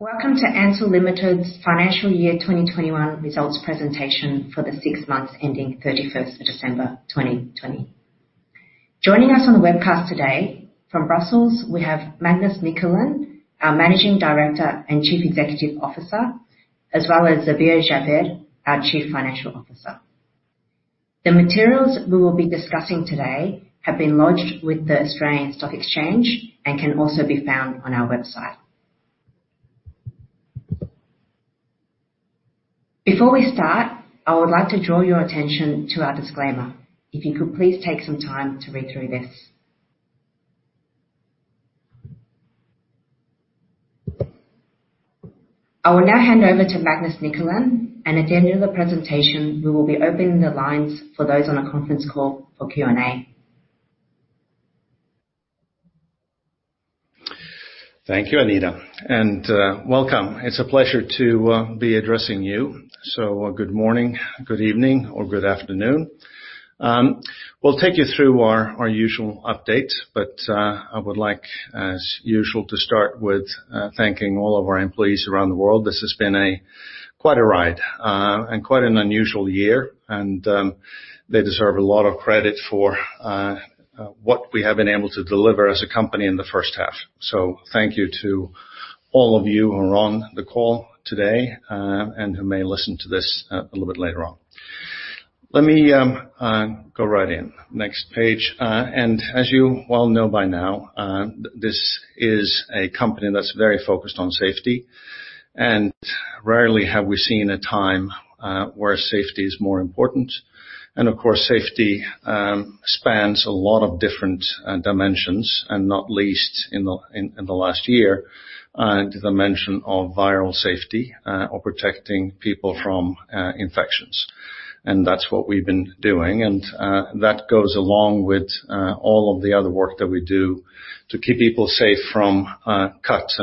Welcome to Ansell Ltd.'s Financial Year 2021 results presentation for the six months ending 31st of December 2020. Joining us on the webcast today from Brussels, we have Magnus Nicolin, our Managing Director and Chief Executive Officer, as well as Zubair Javeed, our Chief Financial Officer. The materials we will be discussing today have been lodged with the Australian Securities Exchange and can also be found on our website. Before we start, I would like to draw your attention to our disclaimer. If you could please take some time to read through this. I will now hand over to Magnus Nicolin, and at the end of the presentation, we will be opening the lines for those on a conference call for Q&A. Thank you, Anita, and welcome. It's a pleasure to be addressing you. Good morning, good evening or good afternoon. We'll take you through our usual update, but I would like, as usual, to start with thanking all of our employees around the world. This has been quite a ride, and quite an unusual year, and they deserve a lot of credit for what we have been able to deliver as a company in the first half. Thank you to all of you who are on the call today, and who may listen to this a little bit later on. Let me go right in. Next page. As you well know by now, this is a company that's very focused on safety. Rarely have we seen a time where safety is more important. Of course, safety spans a lot of different dimensions, and not least in the last year, the mention of viral safety, or protecting people from infections. That's what we've been doing. That goes along with all of the other work that we do to keep people safe from cuts,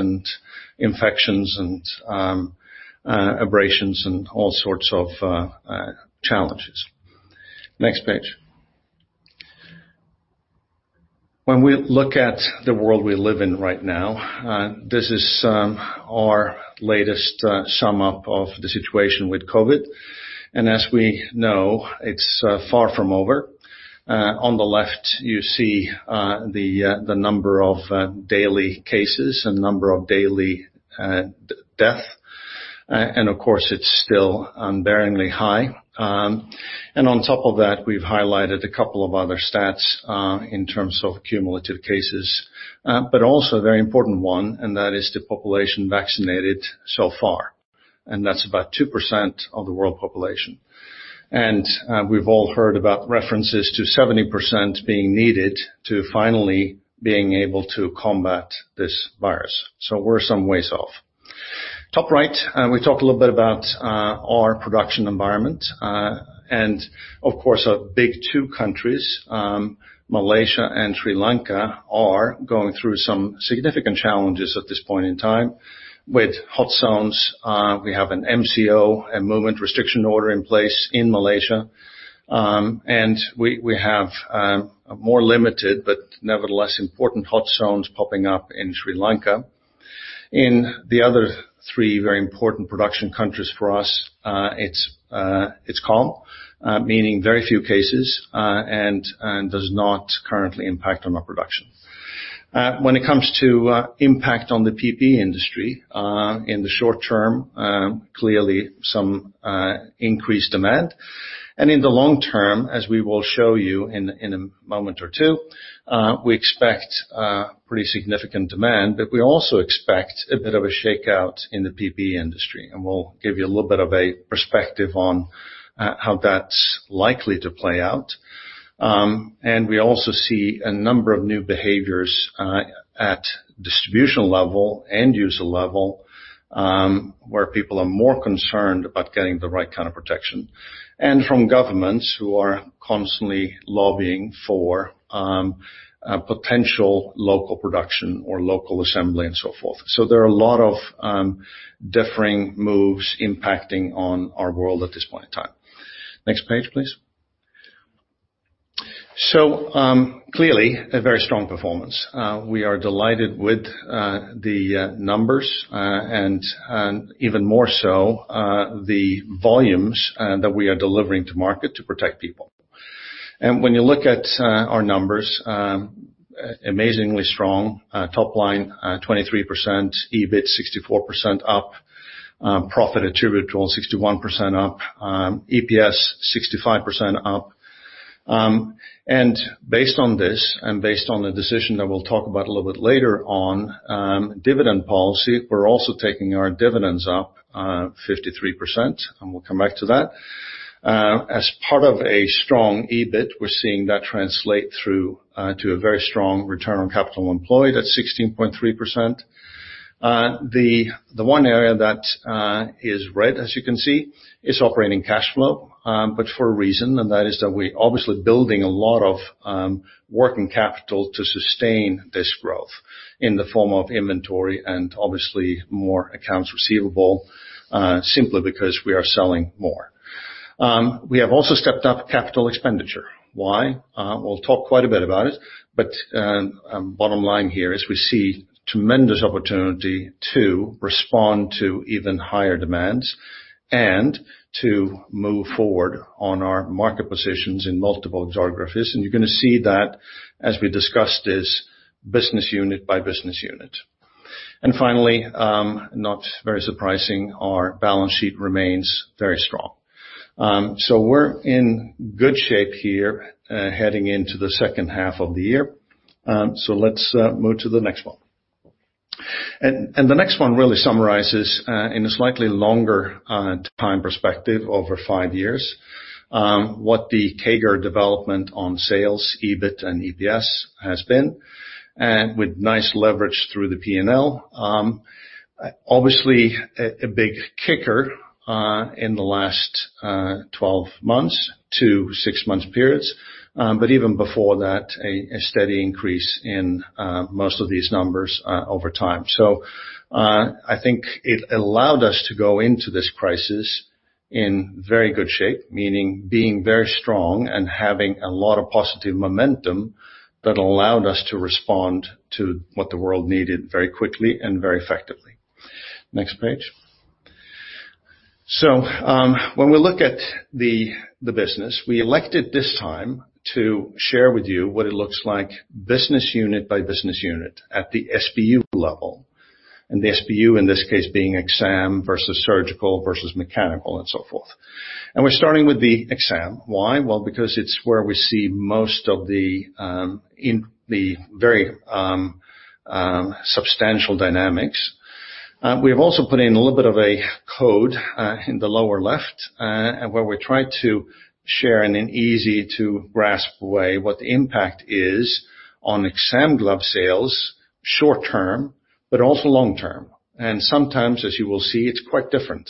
infections, abrasions, and all sorts of challenges. Next page. When we look at the world we live in right now, this is our latest sum-up of the situation with COVID. As we know, it's far from over. On the left, you see the number of daily cases and number of daily death. Of course, it's still unbearingly high. On top of that, we've highlighted a couple of other stats in terms of cumulative cases, but also a very important one, and that is the population vaccinated so far. That's about 2% of the world population. We've all heard about references to 70% being needed to finally being able to combat this virus. We're some ways off. Top right, we talked a little bit about our production environment. Of course, our big two countries, Malaysia and Sri Lanka, are going through some significant challenges at this point in time with hot zones. We have an MCO, a movement restriction order in place in Malaysia. We have more limited, but nevertheless important hot zones popping up in Sri Lanka. In the other three very important production countries for us, it's calm, meaning very few cases, and does not currently impact on our production. When it comes to impact on the PPE industry, in the short term, clearly some increased demand. In the long term, as we will show you in a moment or two, we expect pretty significant demand, but we also expect a bit of a shakeout in the PPE industry, and we will give you a little bit of a perspective on how that is likely to play out. We also see a number of new behaviors at distribution level and user level, where people are more concerned about getting the right kind of protection. From governments who are constantly lobbying for potential local production or local assembly and so forth. There are a lot of differing moves impacting on our world at this point in time. Next page, please. Clearly, a very strong performance. We are delighted with the numbers, and even more so, the volumes that we are delivering to market to protect people. When you look at our numbers, amazingly strong top line, 23%, EBIT 64% up, profit attributable 61% up, EPS 65% up. Based on this and based on the decision that we'll talk about a little bit later on, dividend policy, we're also taking our dividends up 53%, and we'll come back to that. As part of a strong EBIT, we're seeing that translate through to a very strong return on capital employed at 16.3%. The one area that is red, as you can see, is operating cash flow. For a reason, and that is that we're obviously building a lot of working capital to sustain this growth in the form of inventory and obviously more accounts receivable, simply because we are selling more. We have also stepped up capital expenditure. Why? We'll talk quite a bit about it, but bottom line here is we see tremendous opportunity to respond to even higher demands and to move forward on our market positions in multiple geographies. You're going to see that as we discuss this business unit by business unit. Finally, not very surprising, our balance sheet remains very strong. We're in good shape here, heading into the second half of the year. Let's move to the next one. The next one really summarizes, in a slightly longer time perspective over five years, what the CAGR development on sales, EBIT and EPS has been, and with nice leverage through the P&L. Obviously, a big kicker in the last 12 months to six months periods. Even before that, a steady increase in most of these numbers over time. I think it allowed us to go into this crisis in very good shape, meaning being very strong and having a lot of positive momentum that allowed us to respond to what the world needed very quickly and very effectively. Next page. When we look at the business, we elected this time to share with you what it looks like, business unit by business unit at the SBU level, and the SBU in this case being exam versus surgical versus mechanical and so forth. We're starting with the exam. Why? Because it's where we see most of the very substantial dynamics. We have also put in a little bit of a code in the lower left, where we try to share in an easy-to-grasp way what the impact is on exam glove sales short term, but also long term. Sometimes, as you will see, it's quite different.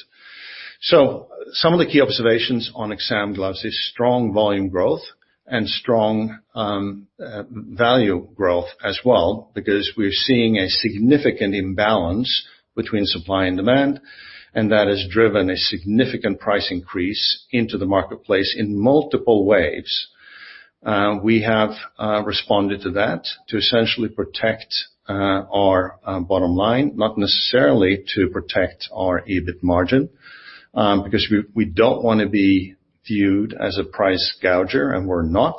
Some of the key observations on exam gloves is strong volume growth and strong value growth as well because we're seeing a significant imbalance between supply and demand, and that has driven a significant price increase into the marketplace in multiple waves. We have responded to that to essentially protect our bottom line, not necessarily to protect our EBIT margin, because we don't want to be viewed as a price gouger, and we're not.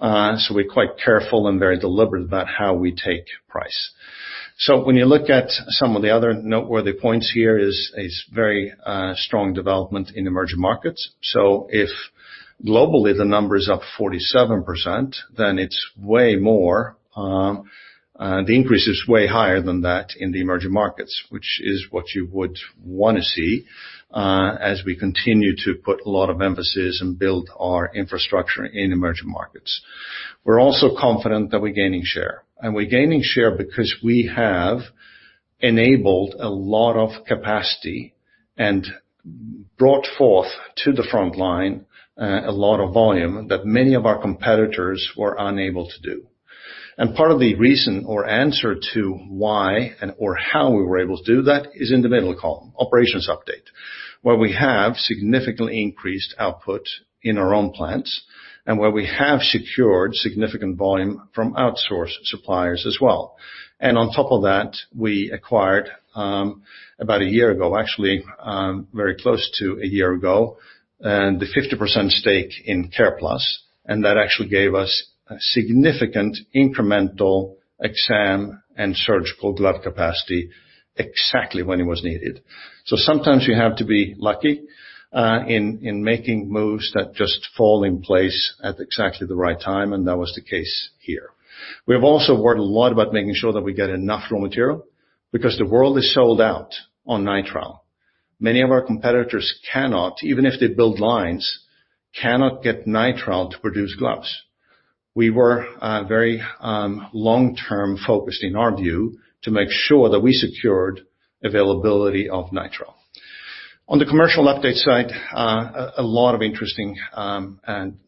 We're quite careful and very deliberate about how we take price. When you look at some of the other noteworthy points here is a very strong development in emerging markets. If globally the number is up 47%, the increase is way higher than that in the emerging markets, which is what you would want to see, as we continue to put a lot of emphasis and build our infrastructure in emerging markets. We're also confident that we're gaining share. We're gaining share because we have enabled a lot of capacity and brought forth to the front line, a lot of volume that many of our competitors were unable to do. Part of the reason or answer to why or how we were able to do that is in the middle column, operations update, where we have significantly increased output in our own plants and where we have secured significant volume from outsourced suppliers as well. On top of that, we acquired about one year ago, actually, very close to one year ago, the 50% stake in Careplus, and that actually gave us a significant incremental exam and surgical glove capacity exactly when it was needed. Sometimes you have to be lucky, in making moves that just fall in place at exactly the right time, and that was the case here. We have also worried a lot about making sure that we get enough raw material because the world is sold out on nitrile. Many of our competitors cannot, even if they build lines, cannot get nitrile to produce gloves. We were very long term focused in our view to make sure that we secured availability of nitrile. On the commercial update side, a lot of interesting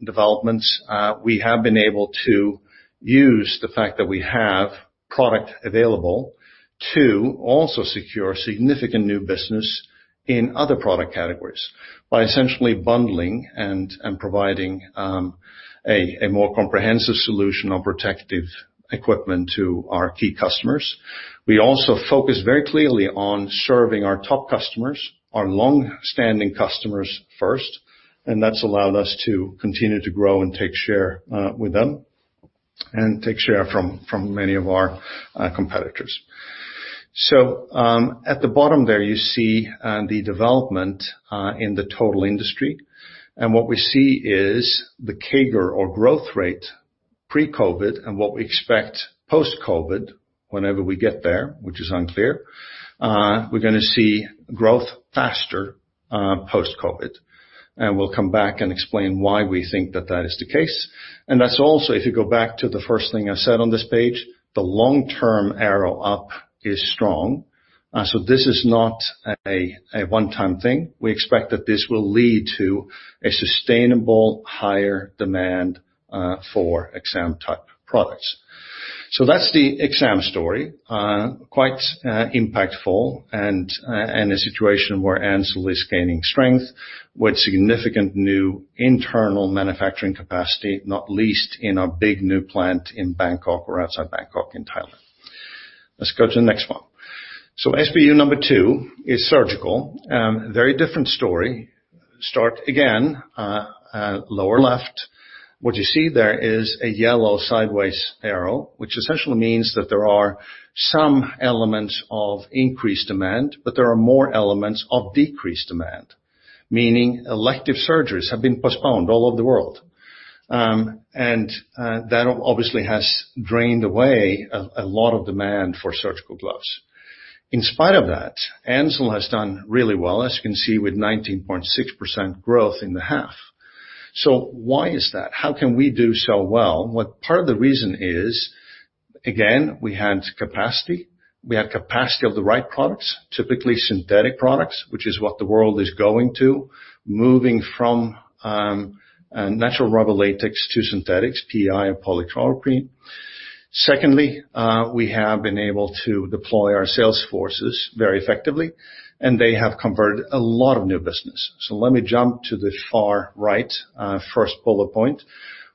developments. We have been able to use the fact that we have product available to also secure significant new business in other product categories by essentially bundling and providing, a more comprehensive solution of protective equipment to our key customers. That's allowed us to continue to grow and take share with them, and take share from many of our competitors. At the bottom there, you see the development in the total industry. What we see is the CAGR or growth rate pre-COVID and what we expect post-COVID, whenever we get there, which is unclear, we're going to see growth faster, post-COVID. We'll come back and explain why we think that that is the case. That's also, if you go back to the first thing I said on this page, the long-term arrow up is strong. This is not a one-time thing. We expect that this will lead to a sustainable higher demand for exam type products. That's the exam story. Quite impactful, and a situation where Ansell is gaining strength with significant new internal manufacturing capacity, not least in our big new plant in Bangkok, or outside Bangkok in Thailand. Let's go to the next one. SBU number two is surgical. Very different story. Start again, lower left. What you see there is a yellow sideways arrow, which essentially means that there are some elements of increased demand, but there are more elements of decreased demand, meaning elective surgeries have been postponed all over the world. That obviously has drained away a lot of demand for surgical gloves. In spite of that, Ansell has done really well, as you can see, with 19.6% growth in the half. Why is that? How can we do so well? Part of the reason is, again, we had capacity. We had capacity of the right products, typically synthetic products, which is what the world is going to, moving from natural rubber latex to synthetics, PI and polychloroprene. Secondly, we have been able to deploy our sales forces very effectively, and they have converted a lot of new business. Let me jump to the far right, first bullet point,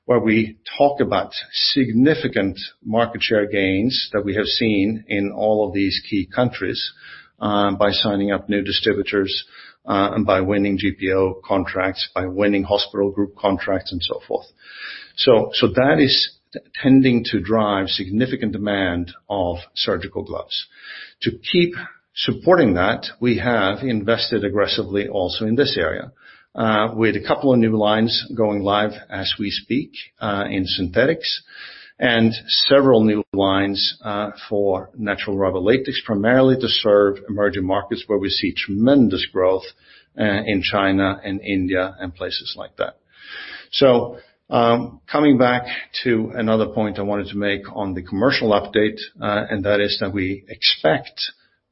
where we talk about significant market share gains that we have seen in all of these key countries, by signing up new distributors, and by winning GPO contracts, by winning hospital group contracts, and so forth. That is tending to drive significant demand of surgical gloves. To keep supporting that, we have invested aggressively also in this area, with a couple of new lines going live as we speak, in synthetics, and several new lines, for natural rubber latex, primarily to serve emerging markets where we see tremendous growth, in China and India and places like that. Coming back to another point I wanted to make on the commercial update, and that is that we expect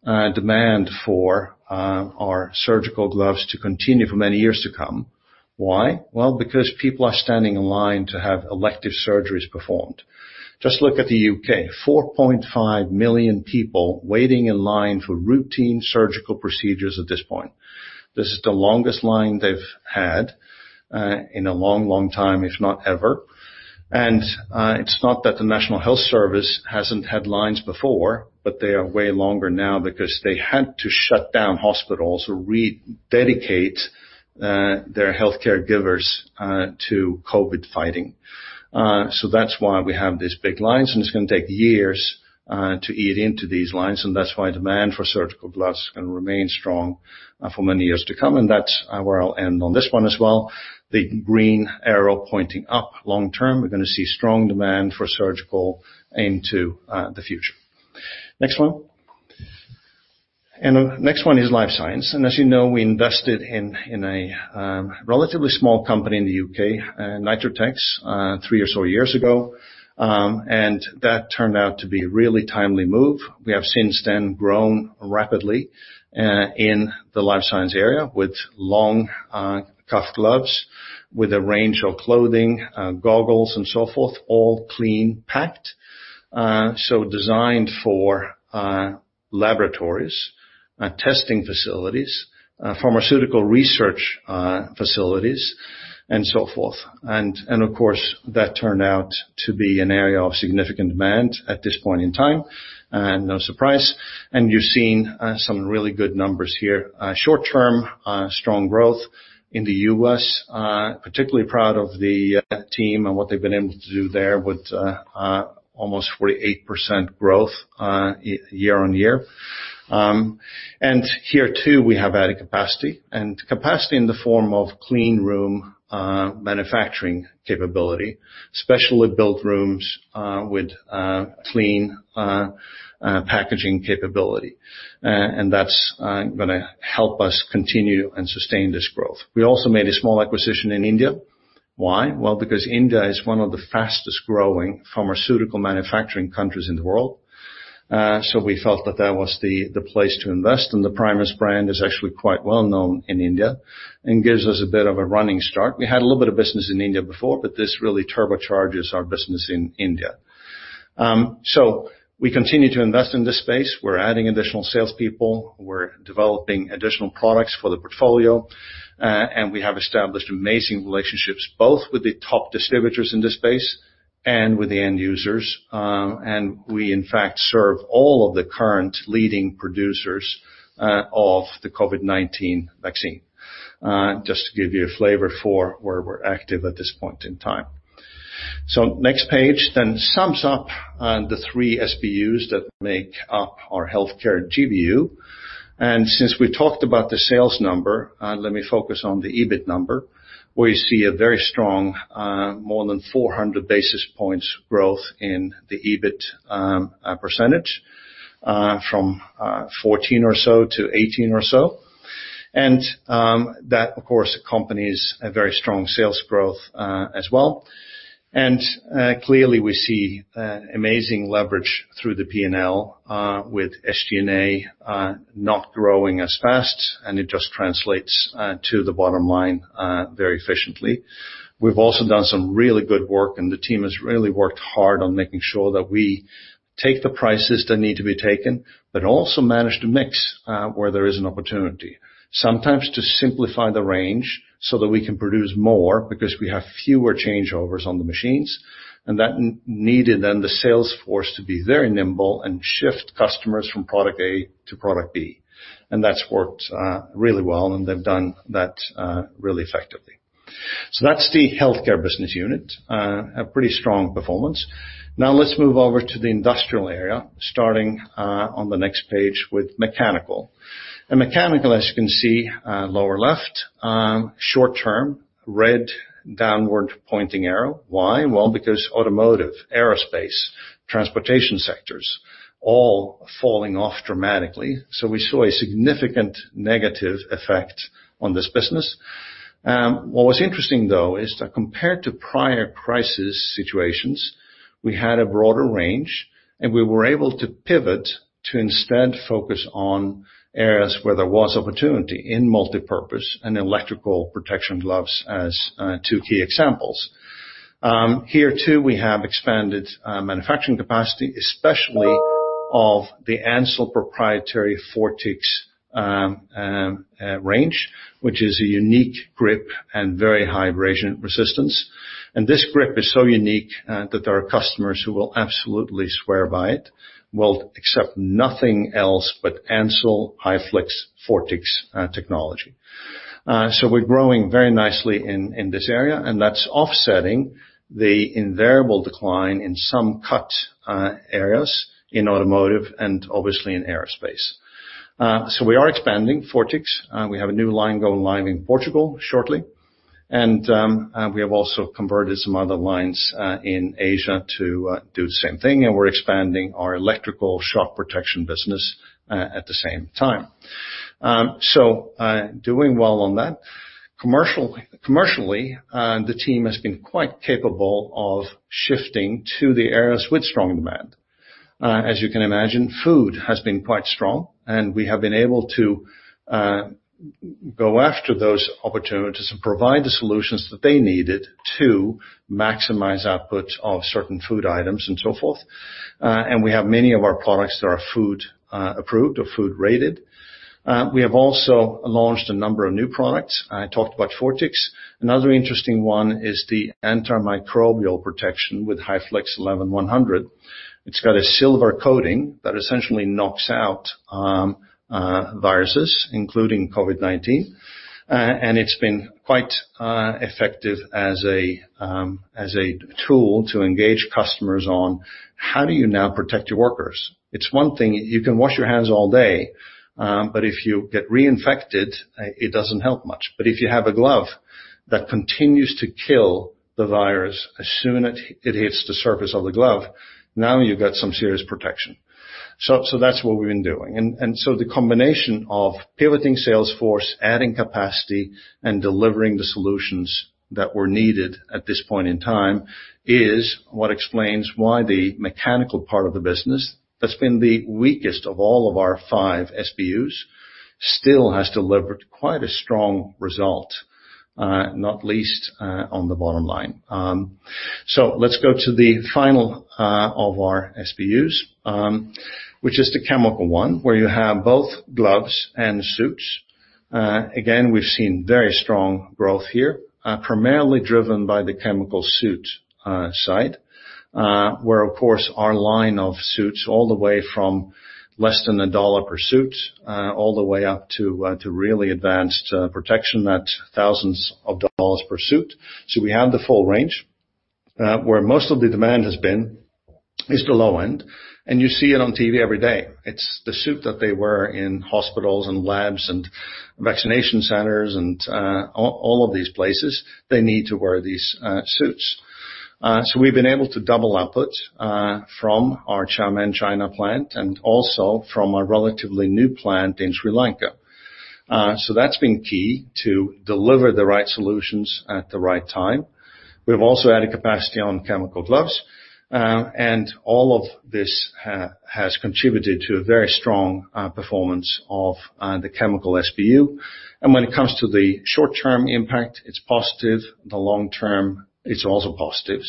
demand for our surgical gloves to continue for many years to come. Why? Well, because people are standing in line to have elective surgeries performed. Just look at the U.K. 4.5 million people waiting in line for routine surgical procedures at this point. This is the longest line they've had in a long, long time, if not ever. It's not that the National Health Service hasn't had lines before, but they are way longer now because they had to shut down hospitals or rededicate their healthcare givers to COVID fighting. That's why we have these big lines, and it's going to take years to eat into these lines, and that's why demand for surgical gloves is going to remain strong for many years to come. That's where I'll end on this one as well. The green arrow pointing up long term. We're going to see strong demand for surgical into the future. Next one. The next one is life science. As you know, we invested in a relatively small company in the U.K., Nitritex, three or so years ago, and that turned out to be a really timely move. We have since then grown rapidly in the life science area with long cuffed gloves, with a range of clothing, goggles and so forth, all clean packed. Designed for laboratories, testing facilities, pharmaceutical research facilities and so forth. Of course, that turned out to be an area of significant demand at this point in time, no surprise. You're seeing some really good numbers here. Short-term, strong growth in the U.S. Particularly proud of the team and what they've been able to do there with almost 48% growth year-on-year. Here too, we have added capacity. Capacity in the form of clean room manufacturing capability, specially built rooms with clean packaging capability. That's going to help us continue and sustain this growth. We also made a small acquisition in India. Why? Well, because India is one of the fastest growing pharmaceutical manufacturing countries in the world. We felt that that was the place to invest, and the Primus brand is actually quite well known in India and gives us a bit of a running start. We had a little bit of business in India before, but this really turbocharges our business in India. We continue to invest in this space. We're adding additional salespeople. We're developing additional products for the portfolio. We have established amazing relationships, both with the top distributors in this space and with the end users. We in fact serve all of the current leading producers of the COVID-19 vaccine. Just to give you a flavor for where we're active at this point in time. Next page then sums up the three SBUs that make up our healthcare GBU. Since we've talked about the sales number, let me focus on the EBIT number, where you see a very strong, more than 400 basis points growth in the EBIT percentage, from 14% or so to 18% or so. That, of course, accompanies a very strong sales growth as well. Clearly we see amazing leverage through the P&L, with SG&A not growing as fast, and it just translates to the bottom line very efficiently. We've also done some really good work, and the team has really worked hard on making sure that we take the prices that need to be taken, but also manage to mix where there is an opportunity. Sometimes to simplify the range so that we can produce more, because we have fewer changeovers on the machines. That needed the sales force to be very nimble and shift customers from product A to product B. That's worked really well, and they've done that really effectively. That's the healthcare business unit. A pretty strong performance. Now let's move over to the industrial area, starting on the next page with mechanical. Mechanical, as you can see, lower left, short term, red downward pointing arrow. Why? Well, because automotive, aerospace, transportation sectors, all falling off dramatically. We saw a significant negative effect on this business. What was interesting, though, is that compared to prior crisis situations, we had a broader range, and we were able to pivot to instead focus on areas where there was opportunity in multipurpose and electrical protection gloves as two key examples. Here, too, we have expanded manufacturing capacity, especially of the Ansell proprietary FORTIX range, which is a unique grip and very high abrasion resistance. This grip is so unique that there are customers who will absolutely swear by it. Will accept nothing else but Ansell HyFlex FORTIX technology. We're growing very nicely in this area, and that's offsetting the invariable decline in some cut areas in automotive and obviously in aerospace. We are expanding FORTIX. We have a new line going live in Portugal shortly. We have also converted some other lines in Asia to do the same thing, and we're expanding our electrical shock protection business at the same time. Doing well on that. Commercially, the team has been quite capable of shifting to the areas with strong demand. As you can imagine, food has been quite strong, and we have been able to go after those opportunities and provide the solutions that they needed to maximize output of certain food items and so forth. We have many of our products that are food approved or food rated. We have also launched a number of new products. I talked about FORTIX. Another interesting one is the antimicrobial protection with HyFlex 11-100. It's got a silver coating that essentially knocks out viruses, including COVID-19. It's been quite effective as a tool to engage customers on how do you now protect your workers. It's one thing, you can wash your hands all day, but if you get reinfected, it doesn't help much. If you have a glove that continues to kill the virus as soon it hits the surface of the glove, now you've got some serious protection. That's what we've been doing. The combination of pivoting sales force, adding capacity, and delivering the solutions that were needed at this point in time is what explains why the mechanical part of the business, that's been the weakest of all of our five SBUs, still has delivered quite a strong result, not least on the bottom line. Let's go to the final of our SBUs, which is the chemical one, where you have both gloves and suits. We've seen very strong growth here. Primarily driven by the chemical suit side, where, of course, our line of suits all the way from less than AUD 1 per suit, all the way up to really advanced protection at thousands of dollars per suit. We have the full range. Where most of the demand has been is the low end, and you see it on TV every day. It's the suit that they wear in hospitals and labs and vaccination centers and all of these places, they need to wear these suits. We've been able to double output from our Xiamen, China plant and also from our relatively new plant in Sri Lanka. That's been key to deliver the right solutions at the right time. We've also added capacity on chemical gloves. All of this has contributed to a very strong performance of the Chemical SBU. When it comes to the short-term impact, it's positive. The long term, it's also positive.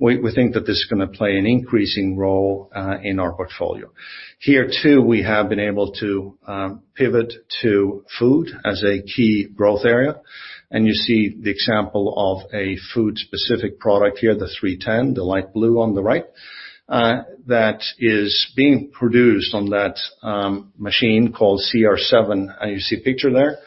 We think that this is going to play an increasing role in our portfolio. Here, too, we have been able to pivot to food as a key growth area. You see the example of a food specific product here, the 310, the light blue on the right, that is being produced on that machine called CR7, you see a picture there.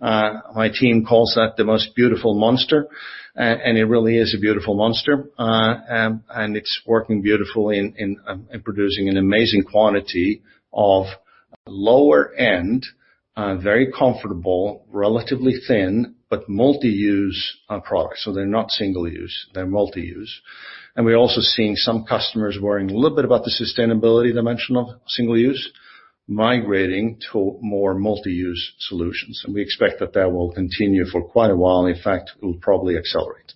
My team calls that the most beautiful monster. It really is a beautiful monster. It's working beautifully and producing an amazing quantity of lower end, very comfortable, relatively thin, but multi-use products. They're not single use, they're multi-use. We're also seeing some customers worrying a little bit about the sustainability dimension of single use, migrating to more multi-use solutions. We expect that that will continue for quite a while. In fact, it will probably accelerate.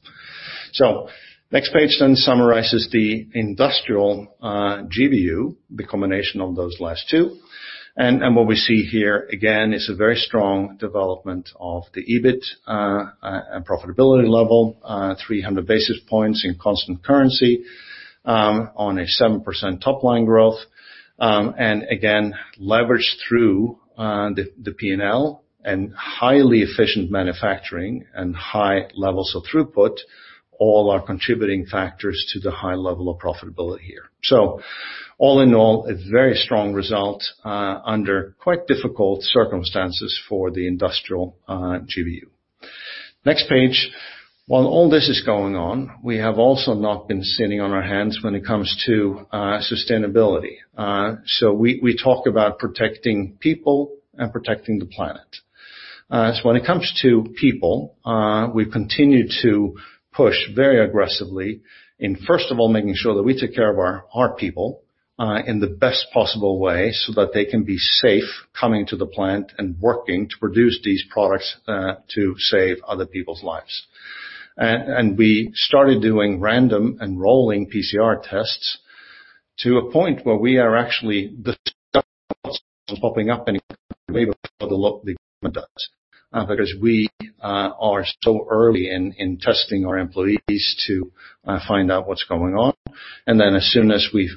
Next page summarizes the industrial GBU, the combination of those last two. What we see here, again, is a very strong development of the EBIT and profitability level, 300 basis points in constant currency on a 7% top line growth. Again, leverage through the P&L and highly efficient manufacturing and high levels of throughput all are contributing factors to the high level of profitability here. All in all, a very strong result under quite difficult circumstances for the industrial GBU. Next page. While all this is going on, we have also not been sitting on our hands when it comes to sustainability. We talk about protecting people and protecting the planet. When it comes to people, we continue to push very aggressively in, first of all, making sure that we take care of our people in the best possible way so that they can be safe coming to the plant and working to produce these products to save other people's lives. We started doing random and rolling PCR tests to a point where we are actually popping up any way before the government does because we are so early in testing our employees to find out what's going on. As soon as we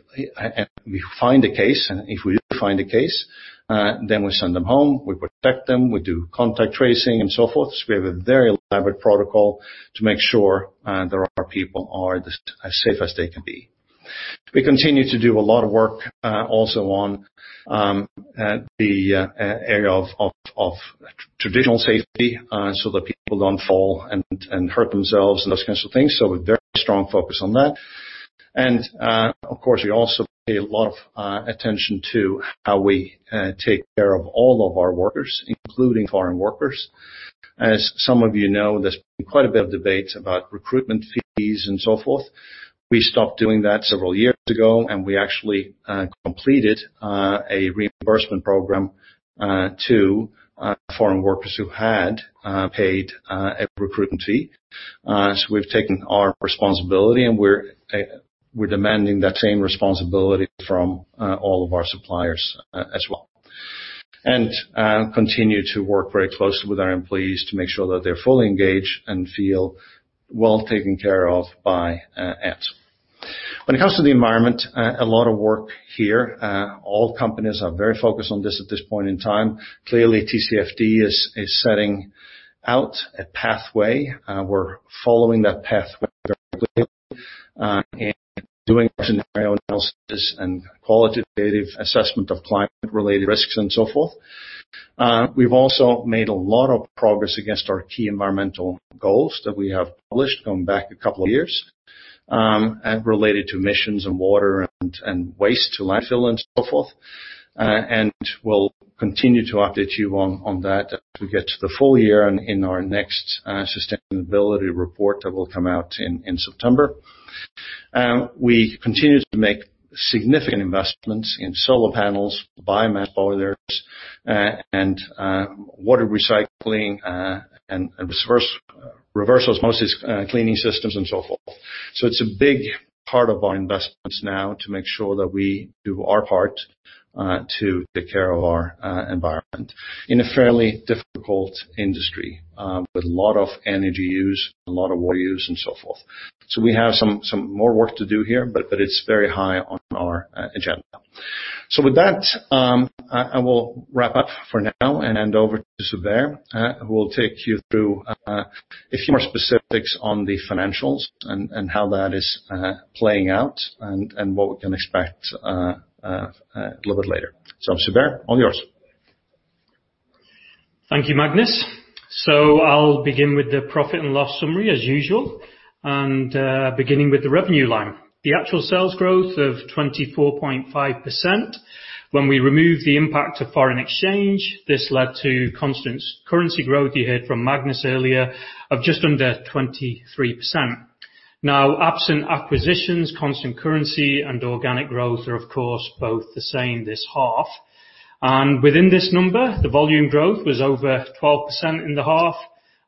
find a case, and if we do find a case, we send them home, we protect them, we do contact tracing and so forth. We have a very elaborate protocol to make sure that our people are as safe as they can be. We continue to do a lot of work also on the area of traditional safety so that people don't fall and hurt themselves and those kinds of things. A very strong focus on that. Of course, we also pay a lot of attention to how we take care of all of our workers, including foreign workers. As some of you know, there's been quite a bit of debate about recruitment fees and so forth. We stopped doing that several years ago, and we actually completed a reimbursement program to foreign workers who had paid a recruitment fee. We've taken our responsibility, and we're demanding that same responsibility from all of our suppliers as well. Continue to work very closely with our employees to make sure that they're fully engaged and feel well taken care of by Ansell. When it comes to the environment, a lot of work here. All companies are very focused on this at this point in time. Clearly, TCFD is setting out a pathway. We're following that pathway very clearly and doing scenario analysis and qualitative assessment of climate-related risks and so forth. We've also made a lot of progress against our key environmental goals that we have published going back a couple of years related to emissions and water and waste to landfill and so forth. We'll continue to update you on that as we get to the full year and in our next sustainability report that will come out in September. We continue to make significant investments in solar panels, biomass boilers, and water recycling, and reverse osmosis cleaning systems and so forth. It's a big part of our investments now to make sure that we do our part to take care of our environment in a fairly difficult industry with a lot of energy use, a lot of water use and so forth. We have some more work to do here, but it's very high on our agenda. With that, I will wrap up for now and hand over to Zubair, who will take you through a few more specifics on the financials and how that is playing out and what we can expect a little bit later. Zubair, all yours. Thank you, Magnus. I'll begin with the profit and loss summary as usual. Beginning with the revenue line. The actual sales growth of 24.5%. When we remove the impact of foreign exchange, this led to constant currency growth you heard from Magnus earlier of just under 23%. Absent acquisitions, constant currency, and organic growth are, of course, both the same this half. Within this number, the volume growth was over 12% in the half,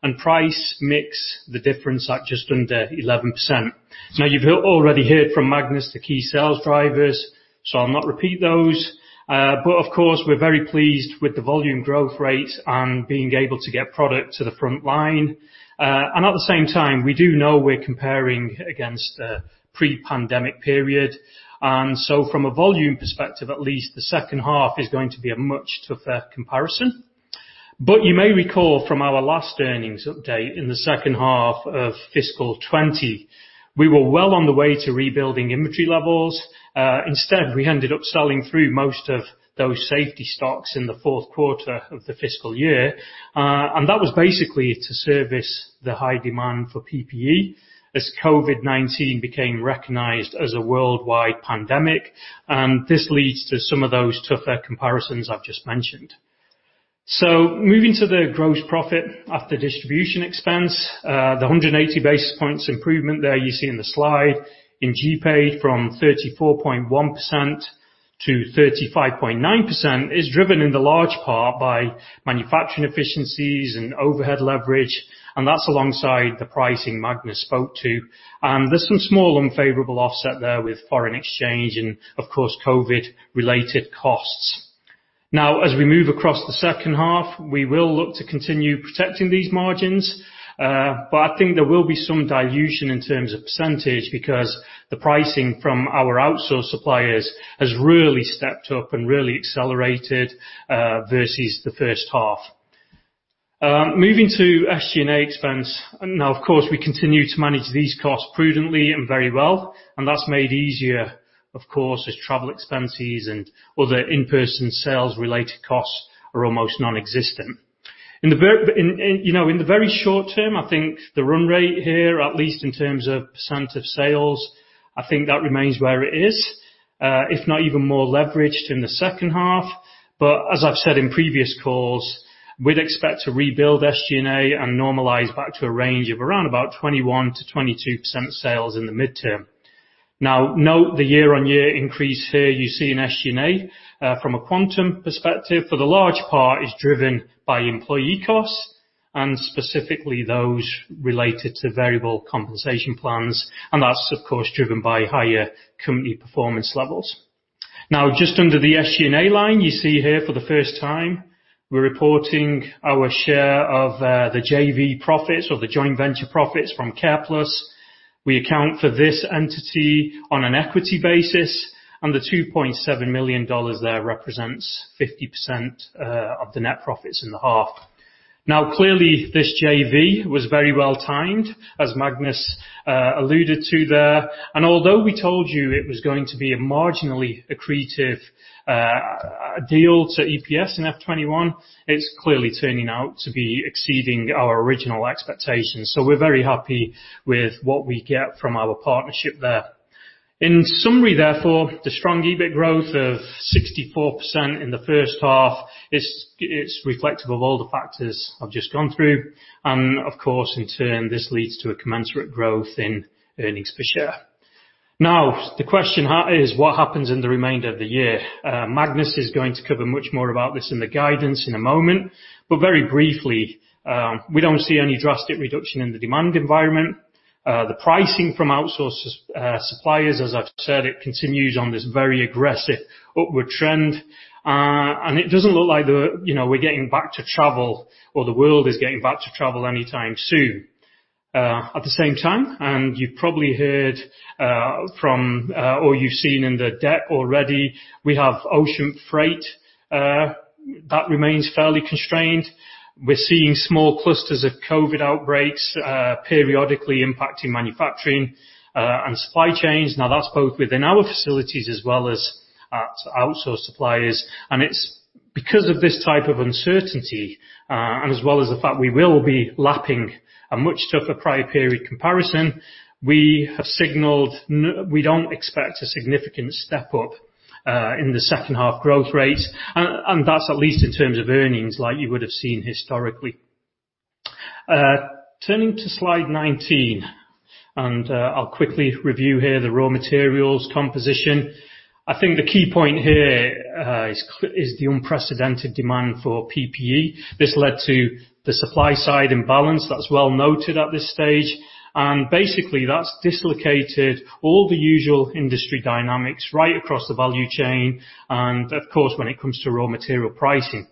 and price mix the difference at just under 11%. You've already heard from Magnus the key sales drivers, I'll not repeat those. Of course, we're very pleased with the volume growth rate and being able to get product to the front line. At the same time, we do know we're comparing against a pre-pandemic period. From a volume perspective, at least the second half is going to be a much tougher comparison. You may recall from our last earnings update in the second half of fiscal year 2020, we were well on the way to rebuilding inventory levels. Instead, we ended up selling through most of those safety stocks in the fourth quarter of the fiscal year. That was basically to service the high demand for PPE as COVID-19 became recognized as a worldwide pandemic. This leads to some of those tougher comparisons I've just mentioned. Moving to the gross profit after distribution expense, the 180 basis points improvement there you see in the slide in GP from 34.1% to 35.9%, is driven in the large part by manufacturing efficiencies and overhead leverage, and that's alongside the pricing Magnus spoke to. There's some small unfavorable offset there with foreign exchange and of course, COVID related costs. Now as we move across the second half, we will look to continue protecting these margins. I think there will be some dilution in terms of percentage because the pricing from our outsourced suppliers has really stepped up and really accelerated, versus the first half. Moving to SG&A expense. Now, of course, we continue to manage these costs prudently and very well, and that's made easier, of course, as travel expenses and other in-person sales related costs are almost non-existent. In the very short term, I think the run rate here, at least in terms of percentage of sales, I think that remains where it is, if not even more leveraged in the second half. As I've said in previous calls, we'd expect to rebuild SG&A and normalize back to a range of around 21%-22% sales in the midterm. Note the year-on-year increase here you see in SG&A, from a quantum perspective. For the large part is driven by employee costs and specifically those related to variable compensation plans, and that's of course driven by higher company performance levels. Just under the SG&A line, you see here for the first time, we're reporting our share of the JV profits or the joint venture profits from Careplus. We account for this entity on an equity basis, and the 2.7 million dollars there represents 50% of the net profits in the half. Clearly this JV was very well timed, as Magnus alluded to there, and although we told you it was going to be a marginally accretive deal to EPS in FY 2021, it's clearly turning out to be exceeding our original expectations. We're very happy with what we get from our partnership there. In summary therefore, the strong EBIT growth of 64% in the first half is reflective of all the factors I've just gone through. Of course, in turn, this leads to a commensurate growth in earnings per share. The question is what happens in the remainder of the year? Magnus is going to cover much more about this in the guidance in a moment. Very briefly, we don't see any drastic reduction in the demand environment. The pricing from outsourced suppliers, as I've said, it continues on this very aggressive upward trend. It doesn't look like we're getting back to travel or the world is getting back to travel anytime soon. At the same time, and you've probably heard from or you've seen in the deck already, we have ocean freight, that remains fairly constrained. We're seeing small clusters of COVID outbreaks periodically impacting manufacturing, and supply chains. That's both within our facilities as well as at outsourced suppliers. It's because of this type of uncertainty, and as well as the fact we will be lapping a much tougher prior period comparison, we have signaled we don't expect a significant step up in the second half growth rates. That's at least in terms of earnings like you would have seen historically. Turning to slide 19, and I'll quickly review here the raw materials composition. I think the key point here is the unprecedented demand for PPE. This led to the supply side imbalance that's well noted at this stage. Basically that's dislocated all the usual industry dynamics right across the value chain, and of course, when it comes to raw material pricing.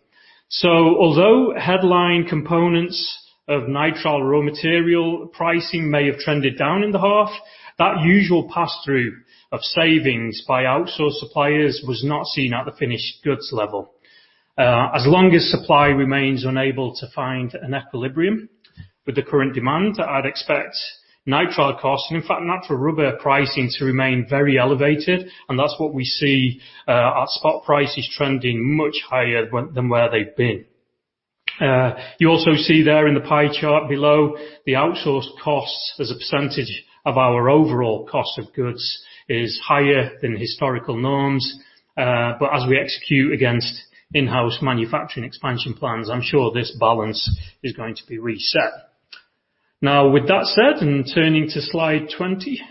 Although headline components of nitrile raw material pricing may have trended down in the half, that usual pass-through of savings by outsourced suppliers was not seen at the finished goods level. As long as supply remains unable to find an equilibrium with the current demand, I'd expect nitrile costs, and in fact natural rubber pricing to remain very elevated, and that's what we see at spot prices trending much higher than where they've been. You also see there in the pie chart below the outsourced costs as a percentage of our overall cost of goods is higher than historical norms. As we execute against in-house manufacturing expansion plans, I'm sure this balance is going to be reset. With that said, turning to slide 20,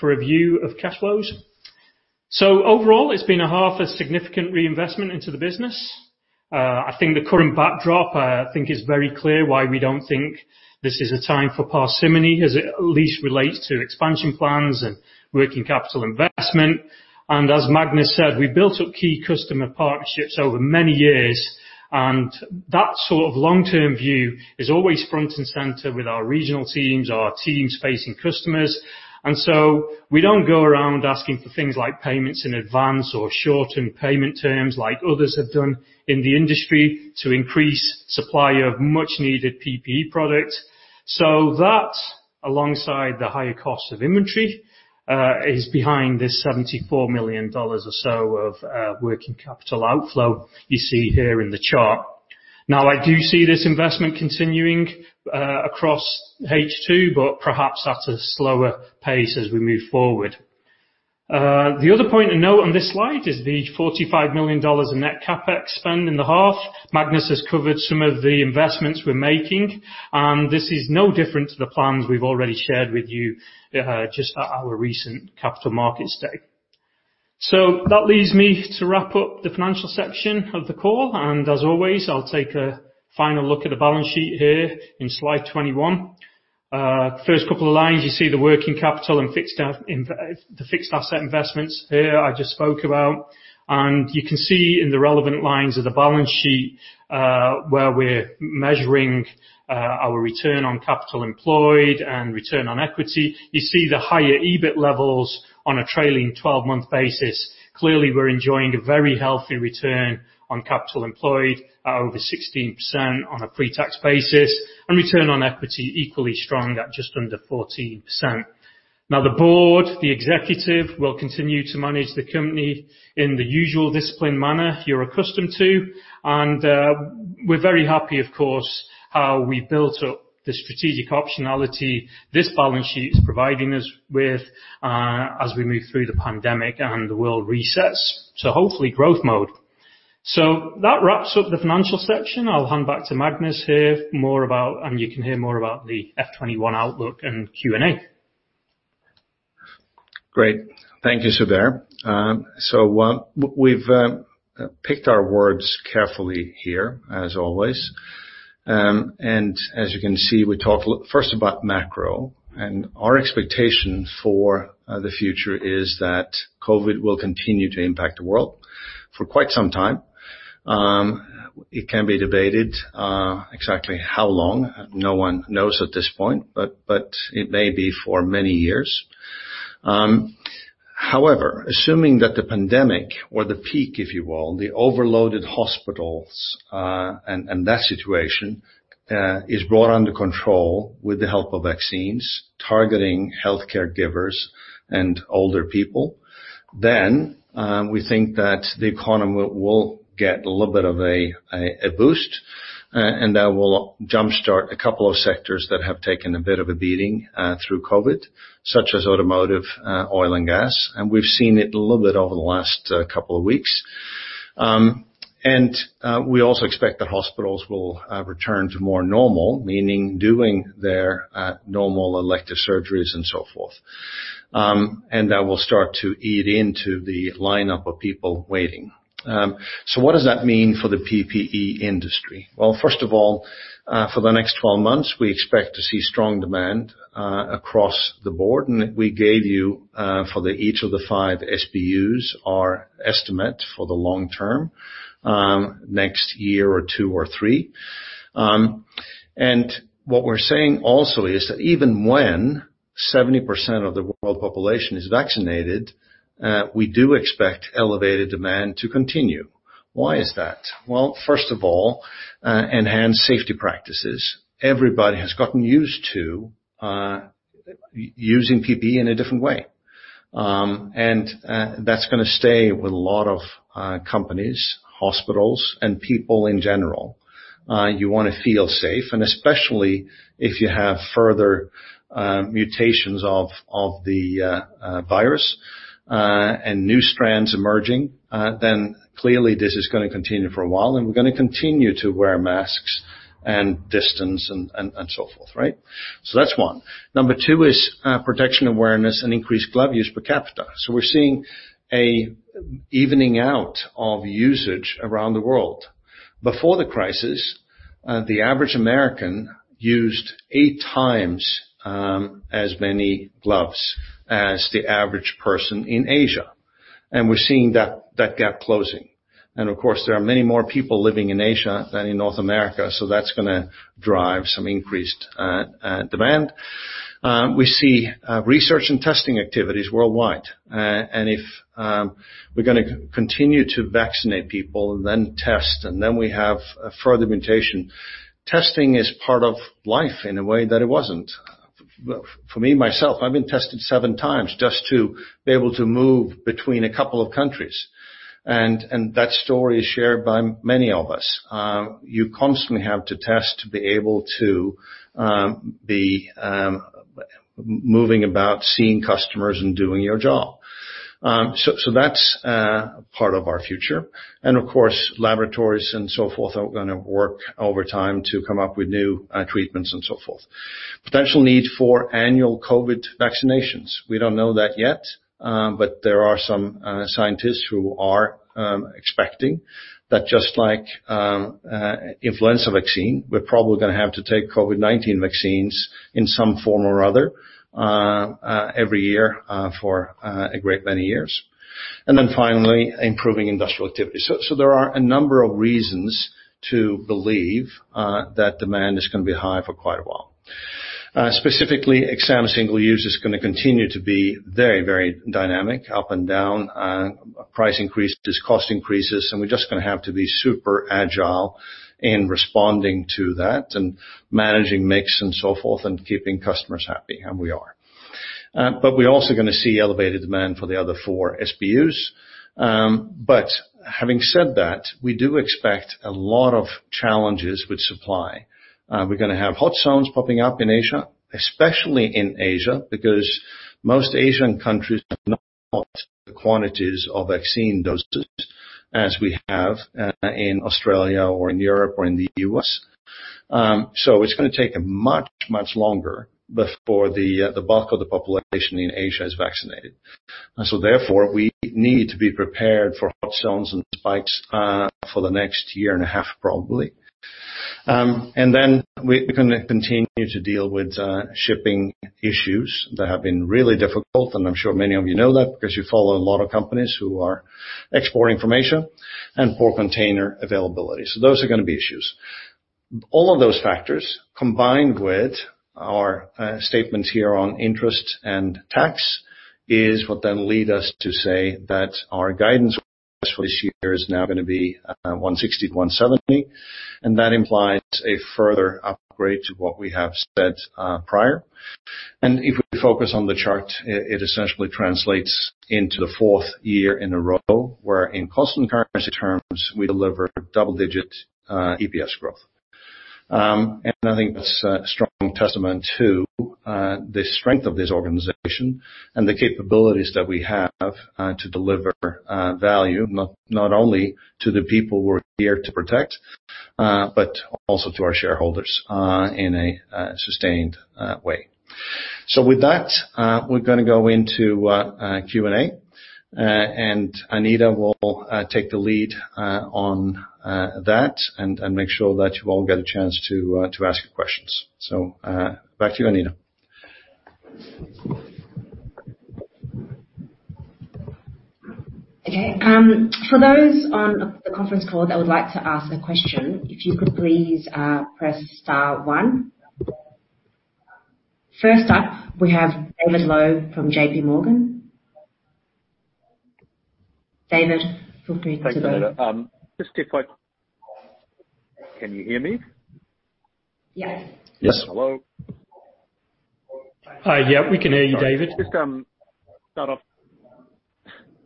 for a view of cash flows. Overall, it's been a half of significant reinvestment into the business. I think the current backdrop, I think is very clear why we don't think this is a time for parsimony as it at least relates to expansion plans and working capital investment. As Magnus said, we built up key customer partnerships over many years, and that sort of long-term view is always front and center with our regional teams, our teams facing customers. We don't go around asking for things like payments in advance or shortened payment terms like others have done in the industry to increase supply of much needed PPE products. That alongside the higher cost of inventory, is behind this 74 million dollars or so of working capital outflow you see here in the chart. I do see this investment continuing across H2, but perhaps at a slower pace as we move forward. The other point to note on this slide is the 45 million dollars of net CapEx spend in the half. Magnus has covered some of the investments we're making, and this is no different to the plans we've already shared with you just at our recent Capital Markets Day. That leads me to wrap up the financial section of the call, and as always, I'll take a final look at the balance sheet here in slide 21. First couple of lines, you see the working capital and the fixed asset investments here I just spoke about. You can see in the relevant lines of the balance sheet, where we're measuring our return on capital employed and return on equity. You see the higher EBIT levels on a trailing 12-month basis. Clearly, we're enjoying a very healthy return on capital employed at over 16% on a pre-tax basis, and return on equity equally strong at just under 14%. The board, the executive, will continue to manage the company in the usual disciplined manner you're accustomed to. We're very happy, of course, how we built up the strategic optionality this balance sheet is providing us with as we move through the pandemic and the world resets to, hopefully, growth mode. That wraps up the financial section. I'll hand back to Magnus here, and you can hear more about the FY 2021 outlook and Q&A. Great. Thank you, Zubair. We've picked our words carefully here, as always. As you can see, we talk first about macro, our expectation for the future is that COVID-19 will continue to impact the world for quite some time. It can be debated exactly how long. No one knows at this point, but it may be for many years. Assuming that the pandemic or the peak, if you will, the overloaded hospitals, and that situation, is brought under control with the help of vaccines targeting healthcare givers and older people, we think that the economy will get a little bit of a boost, that will jumpstart a couple of sectors that have taken a bit of a beating through COVID-19, such as automotive, oil and gas, we've seen it a little bit over the last couple of weeks. We also expect that hospitals will return to more normal, meaning doing their normal elective surgeries and so forth, and that will start to eat into the lineup of people waiting. What does that mean for the PPE industry? First of all, for the next 12 months, we expect to see strong demand across the board. We gave you, for each of the five SBUs, our estimate for the long term, next year or two or three. What we're saying also is that even when 70% of the world population is vaccinated, we do expect elevated demand to continue. Why is that? First of all, enhanced safety practices. Everybody has gotten used to using PPE in a different way. That's going to stay with a lot of companies, hospitals, and people in general. You want to feel safe, especially if you have further mutations of the virus and new strands emerging, clearly this is going to continue for a while, we're going to continue to wear masks and distance and so forth. That's one. Number two is protection awareness and increased glove use per capita. We're seeing an evening out of usage around the world. Before the crisis, the average American used eight times as many gloves as the average person in Asia. We're seeing that gap closing. Of course, there are many more people living in Asia than in North America, that's going to drive some increased demand. We see research and testing activities worldwide. If we're going to continue to vaccinate people and then test, and then we have a further mutation, testing is part of life in a way that it wasn't. For me, myself, I've been tested seven times just to be able to move between a couple of countries. That story is shared by many of us. You constantly have to test to be able to be moving about, seeing customers, and doing your job. That's part of our future. Of course, laboratories and so forth are going to work overtime to come up with new treatments and so forth. Potential need for annual COVID-19 vaccinations. We don't know that yet, but there are some scientists who are expecting that just like influenza vaccine, we're probably going to have to take COVID-19 vaccines in some form or other every year for a great many years. Finally, improving industrial activity. There are a number of reasons to believe that demand is going to be high for quite a while. Specifically, exam single-use is going to continue to be very dynamic up and down. Price increases, cost increases, and we're just going to have to be super agile in responding to that and managing mix and so forth and keeping customers happy, and we are. We're also going to see elevated demand for the other four SBUs. Having said that, we do expect a lot of challenges with supply. We're going to have hot zones popping up in Asia, especially in Asia, because most Asian countries have not got the quantities of vaccine doses as we have in Australia or in Europe or in the U.S. It's going to take much, much longer before the bulk of the population in Asia is vaccinated. Therefore, we need to be prepared for hot zones and spikes for the next year and a half, probably. We're going to continue to deal with shipping issues that have been really difficult, and I'm sure many of you know that because you follow a lot of companies who are exporting from Asia, and poor container availability. Those are going to be issues. All of those factors, combined with our statements here on interest and tax, is what then lead us to say that our guidance for this year is now going to be 160-170, and that implies a further upgrade to what we have said prior. If we focus on the chart, it essentially translates into the fourth year in a row where in constant currency terms, we deliver double-digit EPS growth. I think that's a strong testament to the strength of this organization and the capabilities that we have to deliver value, not only to the people we're here to protect, but also to our shareholders in a sustained way. With that, we're going to go into Q&A, and Anita will take the lead on that and make sure that you all get a chance to ask your questions. Back to you, Anita. Okay. For those on the conference call that would like to ask a question, if you could please press star one. First up, we have David Low from JPMorgan. David, feel free to go. Thanks, Anita. Can you hear me? Yes. Yes. Hello. Hi. Yeah, we can hear you, David. Sorry. Just start off.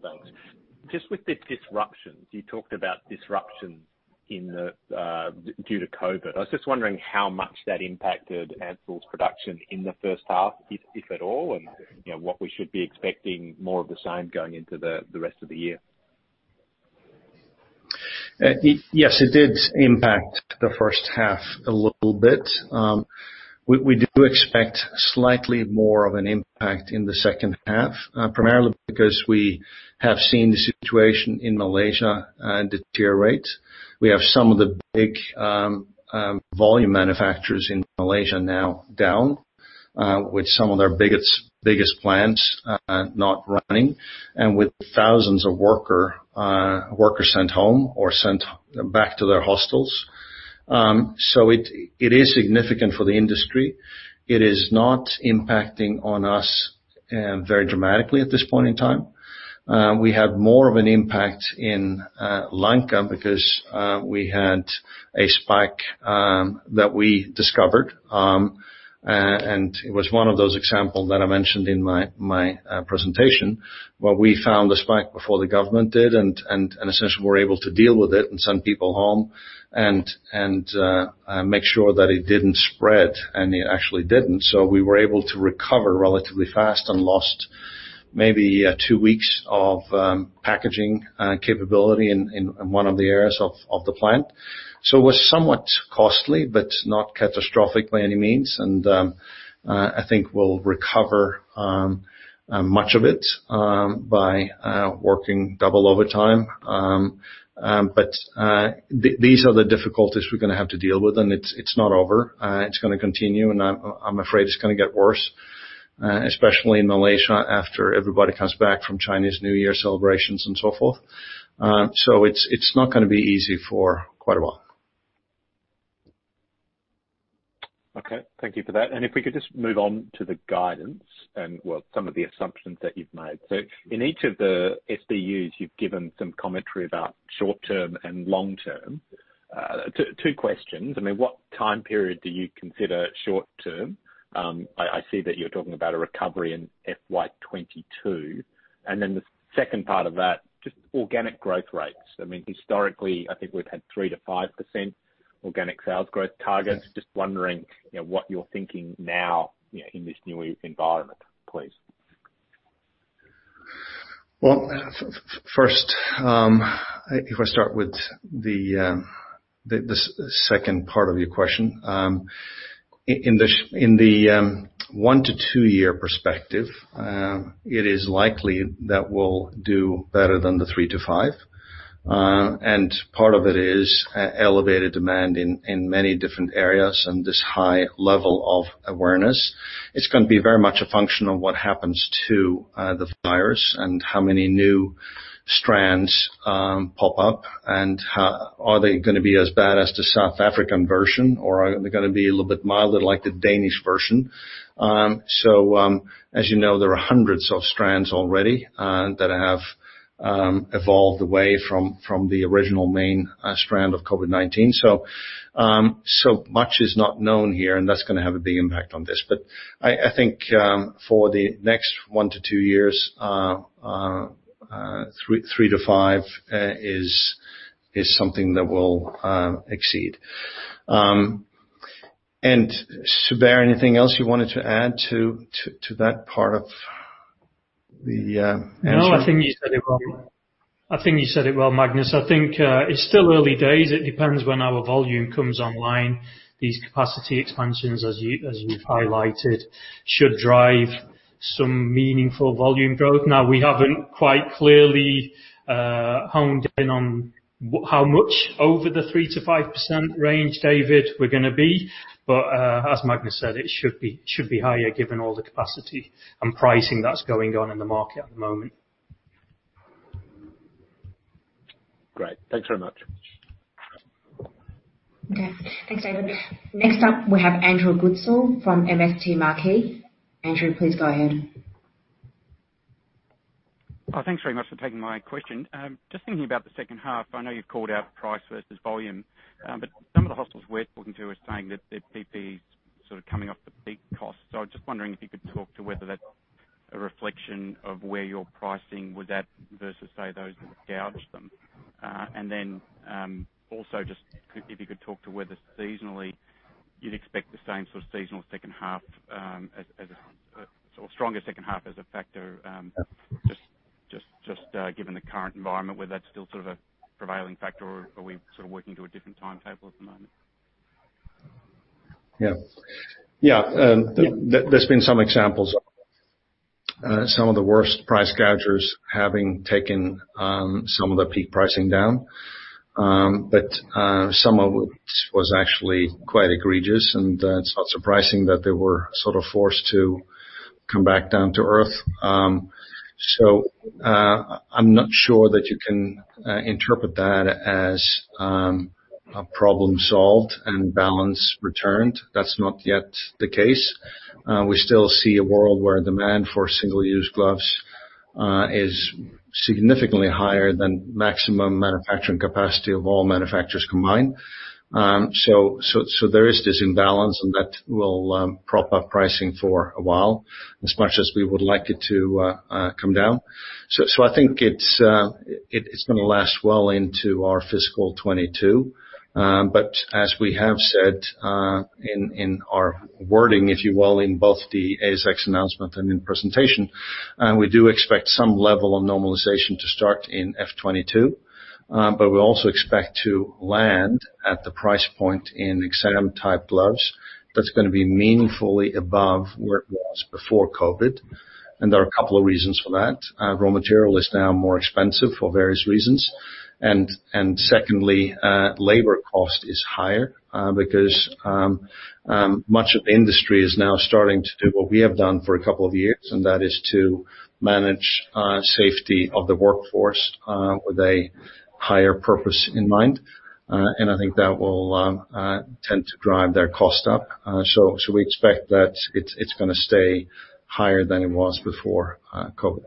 Thanks. Just with the disruptions. You talked about disruptions due to COVID. I was just wondering how much that impacted Ansell's production in the first half, if at all, and what we should be expecting more of the same going into the rest of the year? Yes, it did impact the first half a little bit. We do expect slightly more of an impact in the second half, primarily because we have seen the situation in Malaysia deteriorate. We have some of the big volume manufacturers in Malaysia now down, with some of their biggest plants not running and with thousands of workers sent home or sent back to their hostels. It is significant for the industry. It is not impacting on us very dramatically at this point in time. We had more of an impact in Sri Lanka because we had a spike that we discovered, and it was one of those examples that I mentioned in my presentation, where we found the spike before the government did, and essentially were able to deal with it and send people home and make sure that it didn't spread. It actually didn't, so we were able to recover relatively fast and lost maybe two weeks of packaging capability in one of the areas of the plant. It was somewhat costly, but not catastrophic by any means, and I think we'll recover much of it by working double overtime. These are the difficulties we're going to have to deal with, and it's not over. It's going to continue, and I'm afraid it's going to get worse, especially in Malaysia after everybody comes back from Chinese New Year celebrations and so forth. It's not going to be easy for quite a while. Okay. Thank you for that. If we could just move on to the guidance and some of the assumptions that you've made. In each of the SBUs, you've given some commentary about short-term and long-term. Two questions. What time period do you consider short-term? I see that you're talking about a recovery in FY 2022. Then the second part of that, just organic growth rates. Historically, I think we've had 3%-5% organic sales growth targets. Yes. Just wondering what you're thinking now in this new environment, please? Well, first, if I start with the second part of your question. In the one to two-year perspective, it is likely that we'll do better than the 3%-5%. Part of it is elevated demand in many different areas and this high level of awareness. It's going to be very much a function of what happens to the virus and how many new strands pop up, and are they going to be as bad as the South African version, or are they going to be a little bit milder like the Danish version? As you know, there are hundreds of strands already that have evolved away from the original main strand of COVID-19. Much is not known here, and that's going to have a big impact on this. I think for the next one to two years, 3%-5% is something that we'll exceed. Zubair, anything else you wanted to add to that part of the answer? No, I think you said it well, Magnus. I think it's still early days. It depends when our volume comes online. These capacity expansions, as you've highlighted, should drive some meaningful volume growth. Now, we haven't quite clearly honed in on how much over the 3%-5% range, David, we're going to be. As Magnus said, it should be higher given all the capacity and pricing that's going on in the market at the moment. Great. Thanks very much. Okay. Thanks, David. Next up, we have Andrew Goodsall from MST Marquee. Andrew, please go ahead. Thanks very much for taking my question. Just thinking about the second half, I know you've called out price versus volume. Some of the hospitals we're talking to are saying that their PPE is sort of coming off the peak costs. I was just wondering if you could talk to whether that's a reflection of where your pricing was at versus, say, those that gouged them. Also just if you could talk to whether seasonally you'd expect the same sort of seasonal second half, or stronger second half as a factor, just given the current environment, whether that's still sort of a prevailing factor or are we sort of working to a different timetable at the moment? Yeah. There's been some examples of some of the worst price gougers having taken some of the peak pricing down. But some of it was actually quite egregious and it's not surprising that they were sort of forced to come back down to earth. I'm not sure that you can interpret that as a problem solved and balance returned. That's not yet the case. We still see a world where demand for single-use gloves is significantly higher than maximum manufacturing capacity of all manufacturers combined. There is this imbalance and that will prop up pricing for a while, as much as we would like it to come down. I think it's going to last well into our fiscal 2022. As we have said in our wording, if you will, in both the ASX announcement and in presentation, we do expect some level of normalization to start in FY 2022. We also expect to land at the price point in exam-type gloves that's going to be meaningfully above where it was before COVID. There are a couple of reasons for that. Raw material is now more expensive for various reasons. Secondly, labor cost is higher because much of the industry is now starting to do what we have done for a couple of years, and that is to manage safety of the workforce with a higher purpose in mind. I think that will tend to drive their cost up. We expect that it's going to stay higher than it was before COVID.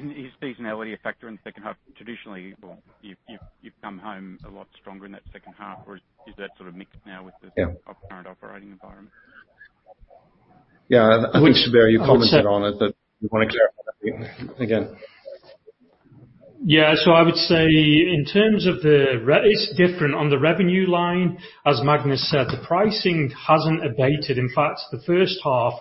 Is seasonality a factor in the second half? Traditionally, you've come home a lot stronger in that second half. Is that sort of mixed now? Yeah. Current operating environment? I think, Zubair, you commented on it, but you want to clarify that again? I would say it's different on the revenue line. As Magnus said, the pricing hasn't abated. In fact, the first half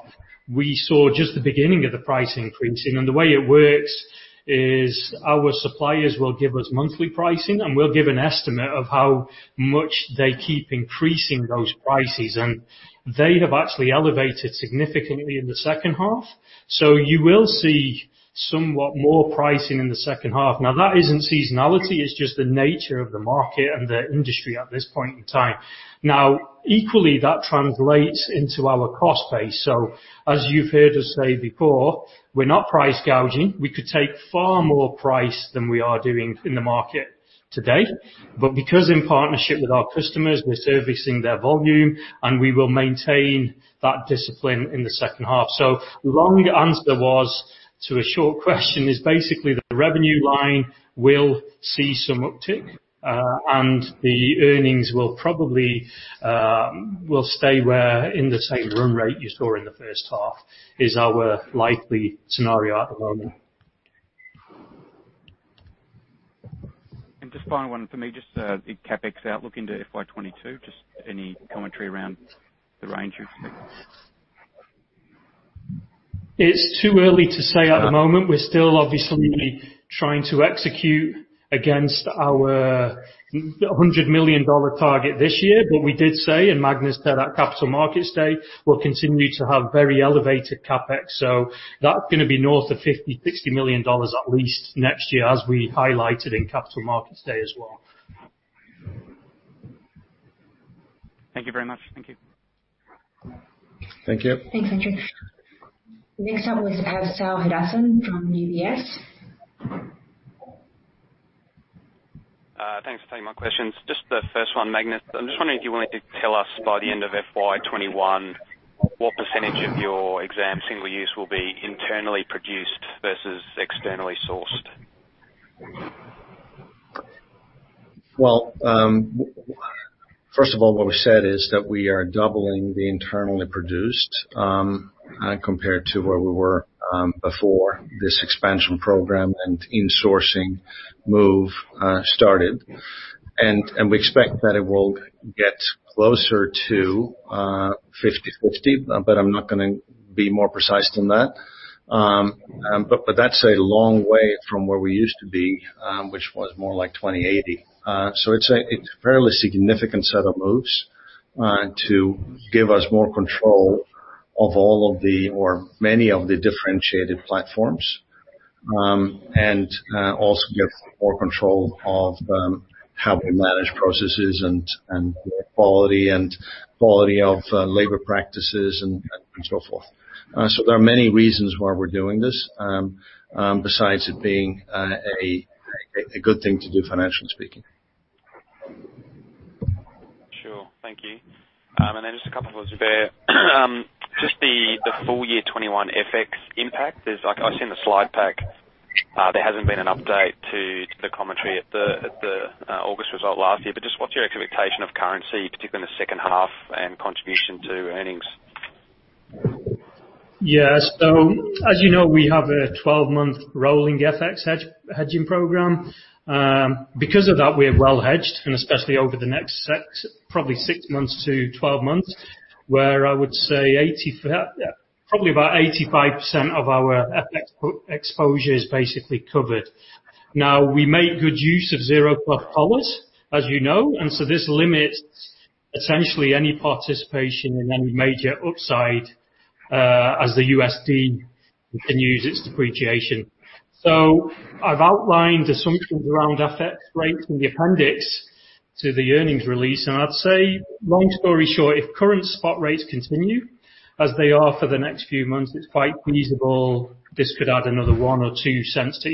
we saw just the beginning of the pricing increasing. The way it works is our suppliers will give us monthly pricing, and we'll give an estimate of how much they keep increasing those prices. They have actually elevated significantly in the second half. You will see somewhat more pricing in the second half. That isn't seasonality, it's just the nature of the market and the industry at this point in time. Equally, that translates into our cost base. As you've heard us say before, we're not price gouging. We could take far more price than we are doing in the market today. Because in partnership with our customers, we're servicing their volume and we will maintain that discipline in the second half. Long answer was to a short question is basically the revenue line will see some uptick, and the earnings will stay where in the same run rate you saw in the first half is our likely scenario at the moment. Just final one for me, just the CapEx outlook into FY 2022, just any commentary around the range you've seen? It's too early to say at the moment. We're still obviously trying to execute against our 100 million dollar target this year. We did say, and Magnus said at Capital Markets Day, we'll continue to have very elevated CapEx. That's going to be north of 50 million dollars, AUD 60 million at least next year, as we highlighted in Capital Markets Day as well. Thank you very much. Thank you. Thank you. Thanks, Andrew. Next up we have Saul Hadassin from UBS. Thanks for taking my questions. Just the first one, Magnus, I'm just wondering if you wanted to tell us by the end of FY 2021 what percentage of your exam single-use will be internally produced versus externally sourced? What we said is that we are doubling the internally produced compared to where we were before this expansion program and insourcing move started. We expect that it will get closer to 50/50, I'm not going to be more precise than that. That's a long way from where we used to be, which was more like 20/80. It's a fairly significant set of moves to give us more control of all of the or many of the differentiated platforms, and also give more control of how we manage processes and quality and quality of labor practices and so forth. There are many reasons why we are doing this, besides it being a good thing to do financially speaking. Sure. Thank you. Then just a couple, Zubair. Just the full year 2021 FX impact. I've seen the slide pack. There hasn't been an update to the commentary at the August result last year. Just what's your expectation of currency, particularly in the second half and contribution to earnings? Yeah. As you know, we have a 12-month rolling FX hedging program. Because of that, we are well hedged and especially over the next probably 6 months-12 months, where I would say probably about 85% of our FX exposure is basically covered. Now, we make good use of zero-cost collars, as you know, and this limits essentially any participation in any major upside as the USD continues its depreciation. I've outlined assumptions around FX rates in the appendix to the earnings release. I'd say long story short, if current spot rates continue as they are for the next few months, it's quite feasible this could add another 0.01 or 0.02 to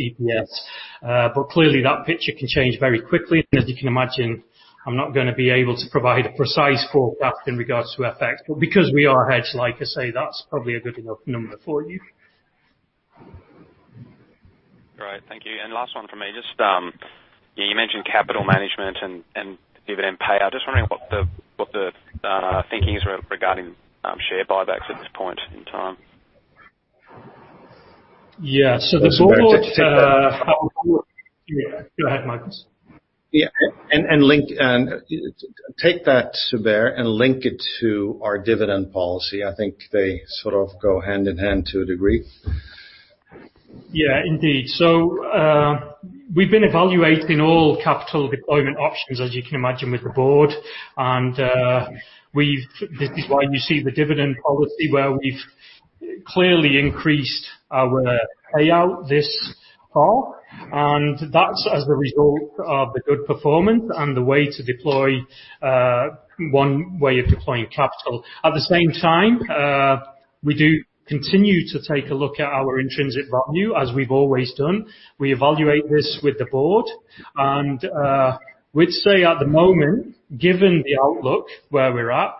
EPS. Clearly that picture can change very quickly, and as you can imagine, I'm not going to be able to provide a precise forecast in regards to FX. Because we are hedged, like I say, that's probably a good enough number for you. Great. Thank you. Last one from me. You mentioned capital management and dividend payout. Just wondering what the thinking is regarding share buybacks at this point in time? Yeah. Just to take that. Yeah, go ahead, Magnus. Yeah. Take that, Zubair, and link it to our dividend policy. I think they sort of go hand in hand to a degree. Yeah, indeed. We've been evaluating all capital deployment options as you can imagine with the board and this is why you see the dividend policy where we've clearly increased our payout this far and that's as a result of the good performance and one way of deploying capital. At the same time, we do continue to take a look at our intrinsic value as we've always done. We evaluate this with the board and we'd say at the moment, given the outlook where we are at,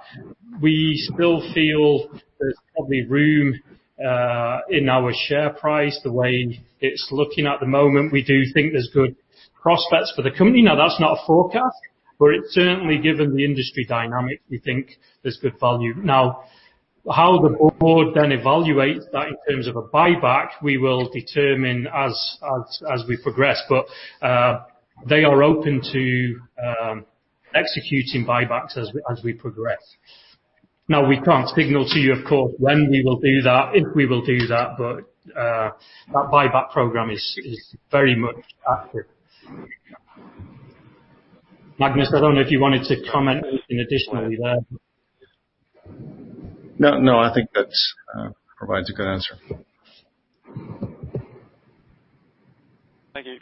we still feel there's probably room in our share price the way it's looking at the moment. We do think there's good prospects for the company. Now, that's not a forecast, but certainly given the industry dynamics, we think there's good value. Now, how the board then evaluates that in terms of a buyback, we will determine as we progress. They are open to executing buybacks as we progress. Now we can't signal to you, of course, when we will do that, if we will do that, but that buyback program is very much active. Magnus, I don't know if you wanted to comment anything additionally there. No, I think that provides a good answer. Thank you.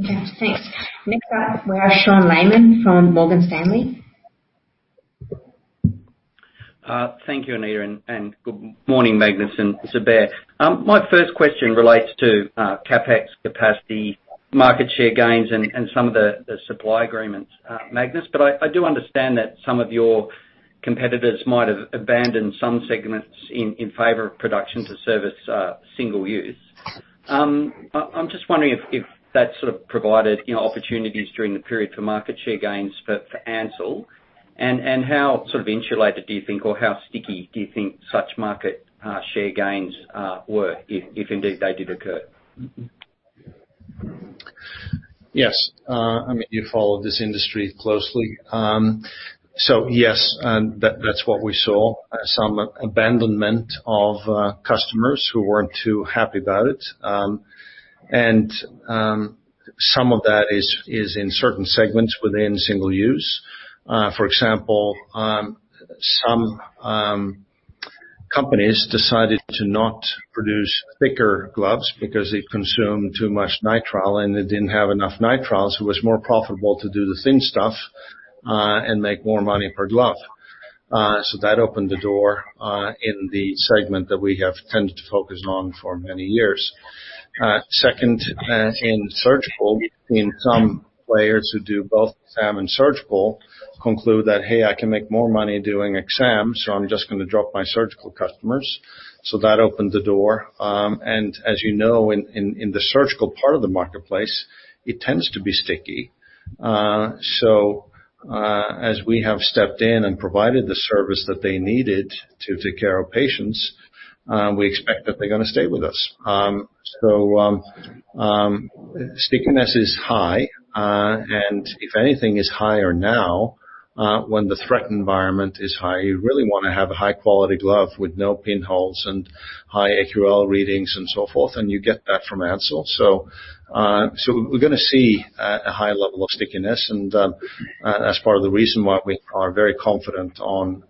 Okay, thanks. Next up we have Sean Laaman from Morgan Stanley. Thank you, Anita. Good morning, Magnus and Zubair. My first question relates to CapEx capacity, market share gains and some of the supply agreements, Magnus. I do understand that some of your competitors might have abandoned some segments in favor of production to service single use. I'm just wondering if that sort of provided opportunities during the period for market share gains for Ansell and how sort of insulated do you think or how sticky do you think such market share gains were, if indeed they did occur? Yes. You follow this industry closely. Yes, that's what we saw, some abandonment of customers who weren't too happy about it. Some of that is in certain segments within single use. For example, some companies decided to not produce thicker gloves because they consumed too much nitrile, and they didn't have enough nitrile, so it was more profitable to do the thin stuff and make more money per glove. That opened the door in the segment that we have tended to focus on for many years. Second, in surgical, we've seen some players who do both exam and surgical conclude that, "Hey, I can make more money doing exam, so I'm just going to drop my surgical customers." That opened the door. As you know, in the surgical part of the marketplace, it tends to be sticky. As we have stepped in and provided the service that they needed to take care of patients, we expect that they're going to stay with us. Stickiness is high. If anything is higher now, when the threat environment is high, you really want to have a high-quality glove with no pinholes and high AQL readings and so forth, and you get that from Ansell. We're going to see a high level of stickiness, and that's part of the reason why we are very confident on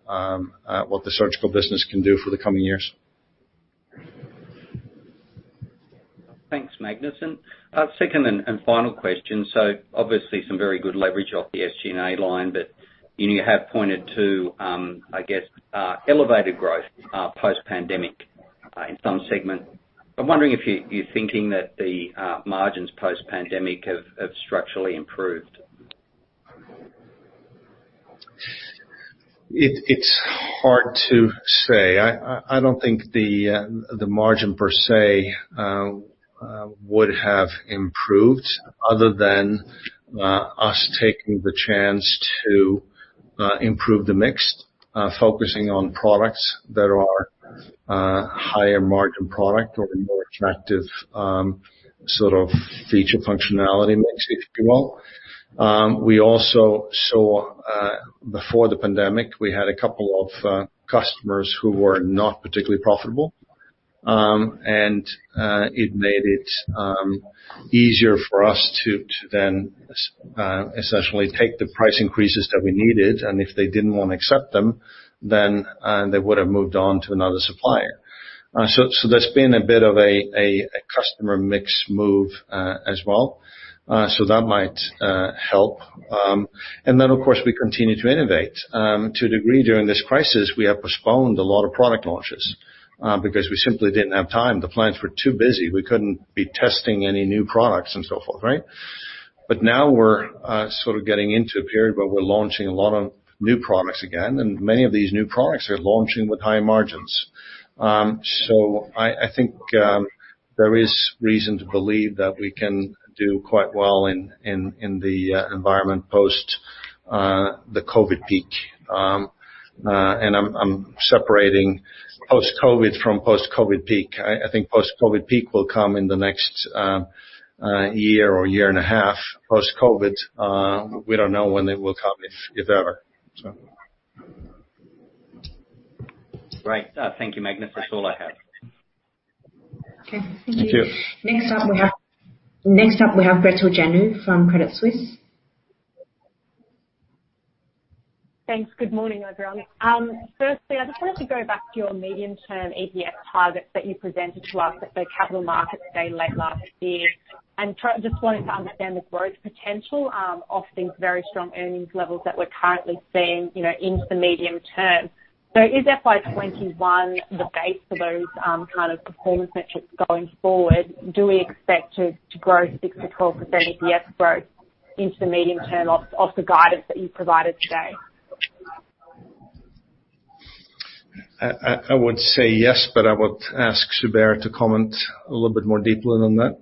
what the surgical business can do for the coming years. Thanks, Magnus. Second and final question. Obviously, some very good leverage off the SG&A line, but you have pointed to I guess, elevated growth post-pandemic in some segments. I'm wondering if you're thinking that the margins post-pandemic have structurally improved? It's hard to say. I don't think the margin, per se, would have improved other than us taking the chance to improve the mix, focusing on products that are higher margin product or a more attractive sort of feature functionality mix, if you will. We also saw, before the pandemic, we had a couple of customers who were not particularly profitable. It made it easier for us to then essentially take the price increases that we needed, and if they didn't want to accept them, then they would have moved on to another supplier. There's been a bit of a customer mix move as well. That might help. Then, of course, we continue to innovate. To a degree during this crisis, we have postponed a lot of product launches because we simply didn't have time. The plants were too busy. We couldn't be testing any new products and so forth, right? Now we're sort of getting into a period where we're launching a lot of new products again, and many of these new products are launching with high margins. I think there is reason to believe that we can do quite well in the environment post the COVID peak. I'm separating post-COVID from post-COVID peak. I think post-COVID peak will come in the next year or year and a half. Post-COVID, we don't know when it will come, if ever. Great. Thank you, Magnus. That's all I have. Thank you. Next up, we have Gretel Janu from Credit Suisse. Thanks. Good morning, everyone. Firstly, I just wanted to go back to your medium-term EPS targets that you presented to us at the Capital Markets Day late last year, and just wanted to understand the growth potential of these very strong earnings levels that we're currently seeing into the medium term. Is FY 2021 the base for those kind of performance metrics going forward? Do we expect to grow 6%-12% EPS growth into the medium term off the guidance that you provided today? I would say yes, but I would ask Zubair to comment a little bit more deeply on that.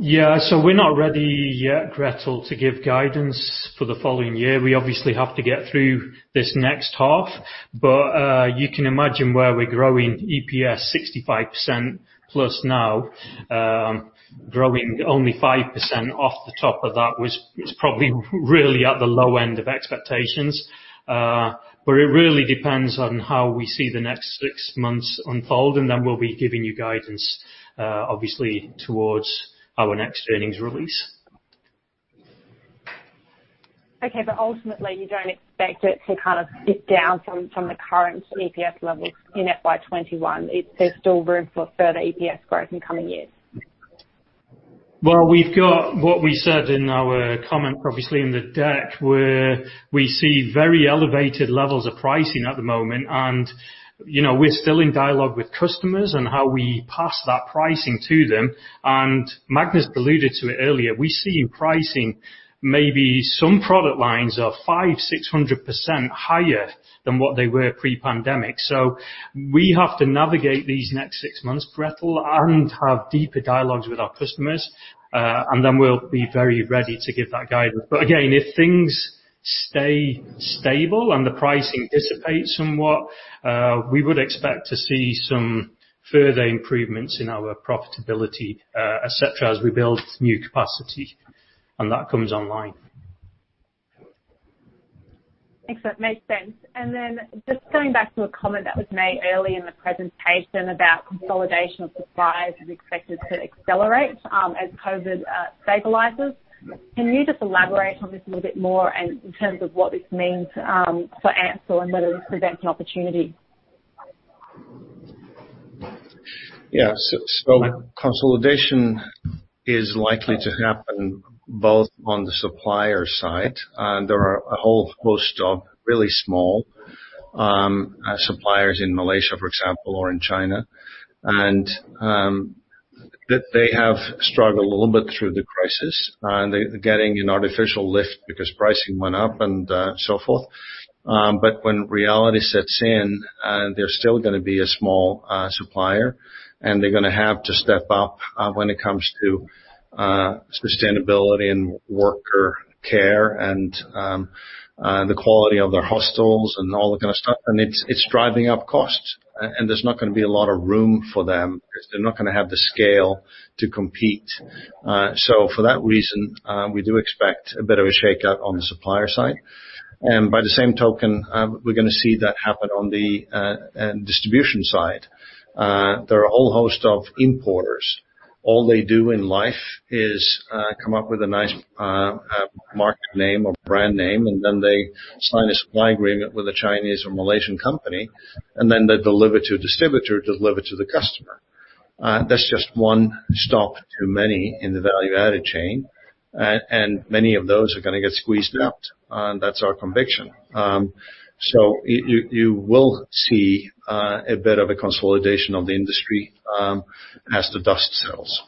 We're not ready yet, Gretel, to give guidance for the following year. We obviously have to get through this next half. You can imagine where we're growing EPS 65%+ now, growing only 5% off the top of that was probably really at the low end of expectations. It really depends on how we see the next six months unfold, and then we'll be giving you guidance, obviously, towards our next earnings release. Okay. Ultimately, you don't expect it to kind of dip down from the current EPS levels in FY 2021. There's still room for further EPS growth in coming years. We've got what we said in our comment, obviously, in the deck, where we see very elevated levels of pricing at the moment. We're still in dialogue with customers on how we pass that pricing to them. Magnus alluded to it earlier, we see pricing, maybe some product lines are 500%-600% higher than what they were pre-pandemic. We have to navigate these next six months, Gretel, and have deeper dialogues with our customers, and then we'll be very ready to give that guidance. Again, if things stay stable and the pricing dissipates somewhat, we would expect to see some further improvements in our profitability, et cetera, as we build new capacity and that comes online. Excellent. Makes sense. Then just going back to a comment that was made early in the presentation about consolidation of supplies is expected to accelerate as COVID stabilizes. Can you just elaborate on this a little bit more in terms of what this means for Ansell and whether this presents an opportunity? Yeah. Consolidation is likely to happen both on the supplier side. There are a whole host of really small suppliers in Malaysia, for example, or in China. They have struggled a little bit through the crisis, and they're getting an artificial lift because pricing went up and so forth. When reality sets in, they're still going to be a small supplier, and they're going to have to step up when it comes to sustainability and worker care and the quality of their hostels and all that kind of stuff. It's driving up costs. There's not going to be a lot of room for them because they're not going to have the scale to compete. For that reason, we do expect a bit of a shakeout on the supplier side. By the same token, we're going to see that happen on the distribution side. There are a whole host of importers. All they do in life is come up with a nice market name or brand name, and then they sign a supply agreement with a Chinese or Malaysian company, and then they deliver to a distributor to deliver to the customer. That's just one stop to many in the value-added chain, and many of those are going to get squeezed out. That's our conviction. You will see a bit of a consolidation of the industry as the dust settles.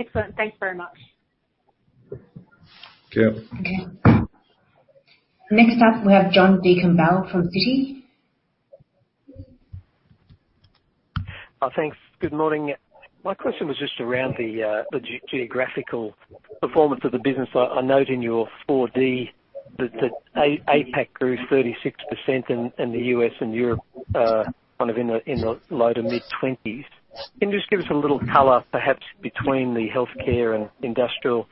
Excellent. Thanks very much. Okay. Next up, we have John Deakin-Bell from Citi. Thanks. Good morning. My question was just around the geographical performance of the business. I note in your 4D that APAC grew 36% in the U.S. and Europe, kind of in the low to mid-20s. Can you just give us a little color, perhaps between the healthcare and industrial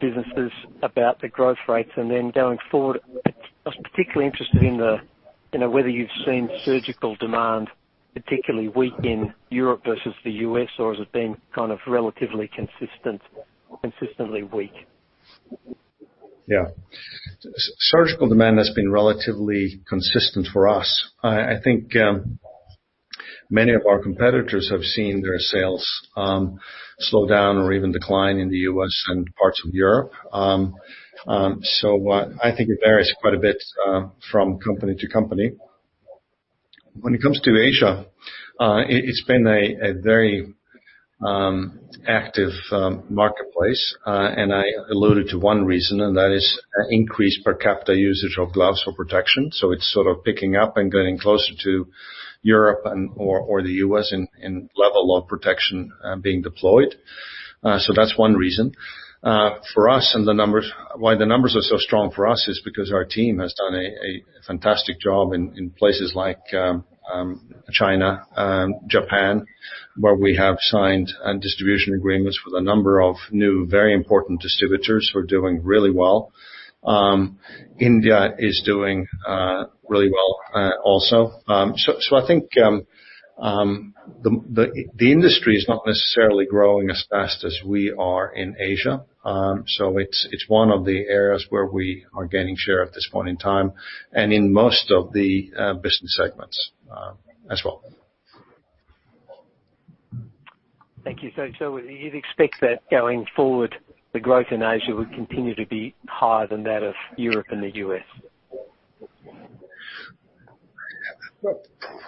businesses about the growth rates? Then going forward, I was particularly interested in whether you've seen surgical demand particularly weak in Europe versus the U.S., or has it been kind of relatively consistently weak? Surgical demand has been relatively consistent for us. I think many of our competitors have seen their sales slow down or even decline in the U.S. and parts of Europe. I think it varies quite a bit from company to company. When it comes to Asia, it's been a very active marketplace. I alluded to one reason, and that is increased per capita usage of gloves for protection. It's sort of picking up and getting closer to Europe or the U.S. in level of protection being deployed. That's one reason. For us and why the numbers are so strong for us is because our team has done a fantastic job in places like China and Japan, where we have signed distribution agreements with a number of new, very important distributors who are doing really well. India is doing really well also. I think the industry is not necessarily growing as fast as we are in Asia. It's one of the areas where we are gaining share at this point in time and in most of the business segments as well. Thank you. You'd expect that going forward, the growth in Asia would continue to be higher than that of Europe and the U.S.?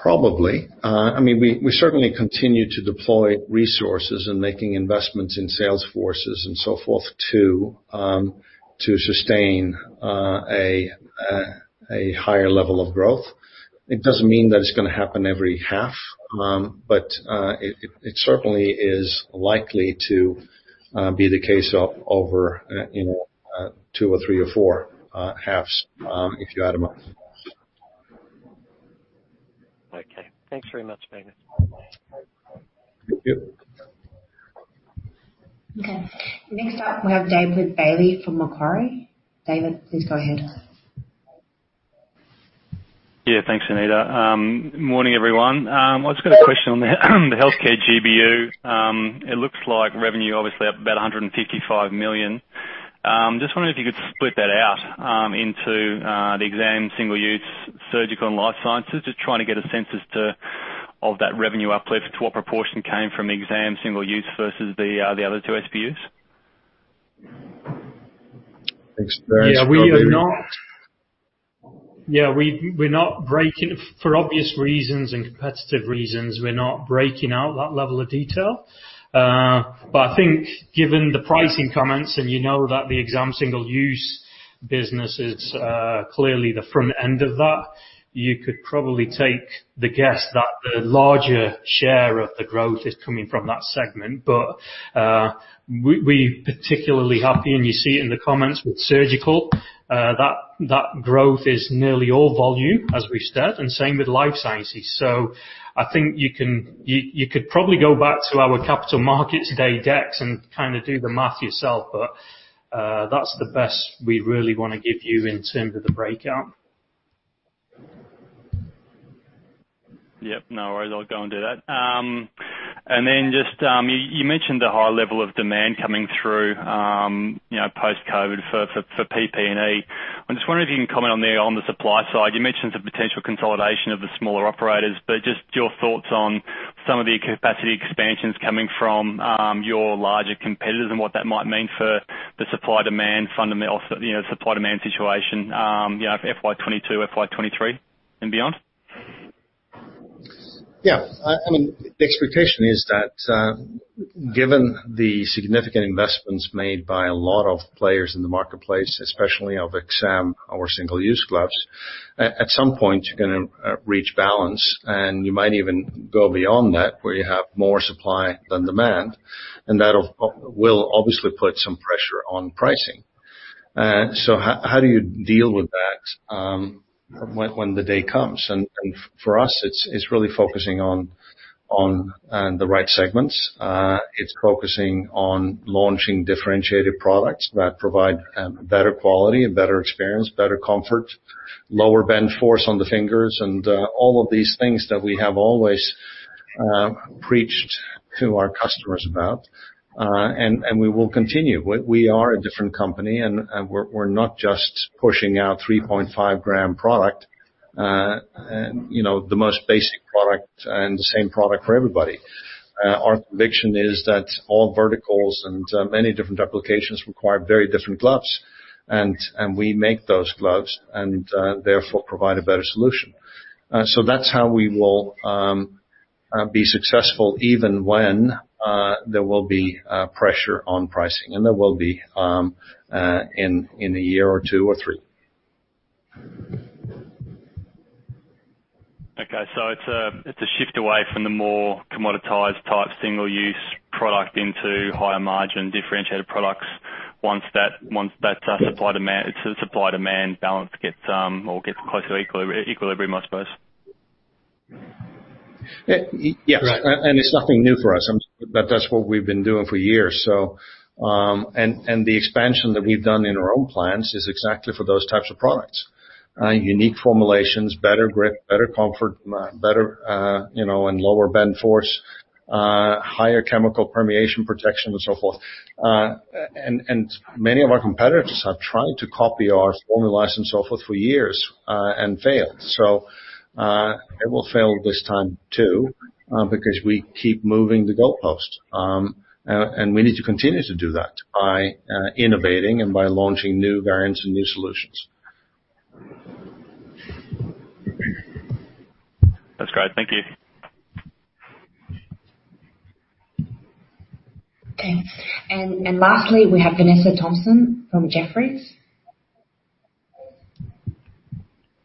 Probably. We certainly continue to deploy resources and making investments in sales forces and so forth to sustain a higher level of growth. It doesn't mean that it's going to happen every half, but it certainly is likely to be the case over two or three or four halves, if you add them up. Okay. Thanks very much, Magnus. Thank you. Okay. Next up, we have David Bailey from Macquarie. David, please go ahead. Yeah. Thanks, Anita. Morning, everyone. I've just got a question on the Healthcare GBU. It looks like revenue, obviously up about 155 million. Just wondering if you could split that out into the exam, single-use, surgical, and life sciences. Just trying to get a sense as to of that revenue uplift, what proportion came from exam single use versus the other two SBUs. Thanks, David. Yeah. For obvious reasons and competitive reasons, we're not breaking out that level of detail. I think given the pricing comments, and you know that the exam single-use business is clearly the front end of that, you could probably take the guess that the larger share of the growth is coming from that segment. We're particularly happy, and you see it in the comments with surgical, that growth is nearly all volume, as we've said, and same with life sciences. I think you could probably go back to our Capital Markets Day decks and kind of do the math yourself. That's the best we really want to give you in terms of the breakout. Yep, no worries. I'll go and do that. Then just, you mentioned the high level of demand coming through post-COVID for PPE. I'm just wondering if you can comment on the supply side. You mentioned the potential consolidation of the smaller operators, but just your thoughts on some of the capacity expansions coming from your larger competitors and what that might mean for the supply-demand situation for FY 2022, FY 2023 and beyond. Yeah. The expectation is that given the significant investments made by a lot of players in the marketplace, especially of exam or single-use gloves, at some point, you're going to reach balance, and you might even go beyond that, where you have more supply than demand. That will obviously put some pressure on pricing. How do you deal with that when the day comes? For us, it's really focusing on the right segments. It's focusing on launching differentiated products that provide better quality, a better experience, better comfort, lower bend force on the fingers, and all of these things that we have always preached to our customers about. We will continue. We are a different company, and we're not just pushing out 3.5 g product, the most basic product and the same product for everybody. Our conviction is that all verticals and many different applications require very different gloves. We make those gloves and therefore provide a better solution. That's how we will be successful even when there will be pressure on pricing, and there will be in a year or two or three. Okay. It's a shift away from the more commoditized type single use product into higher margin differentiated products. Once that supply-demand balance gets or gets closer to equilibrium, I suppose. Yes. It's nothing new for us. That's what we've been doing for years. The expansion that we've done in our own plants is exactly for those types of products. Unique formulations, better grip, better comfort, and lower bend force, higher chemical permeation protection, and so forth. Many of our competitors have tried to copy us, formulize themselves for years, and failed. It will fail this time too because we keep moving the goalposts. We need to continue to do that by innovating and by launching new variants and new solutions. That's great. Thank you. Okay. Lastly, we have Vanessa Thomson from Jefferies.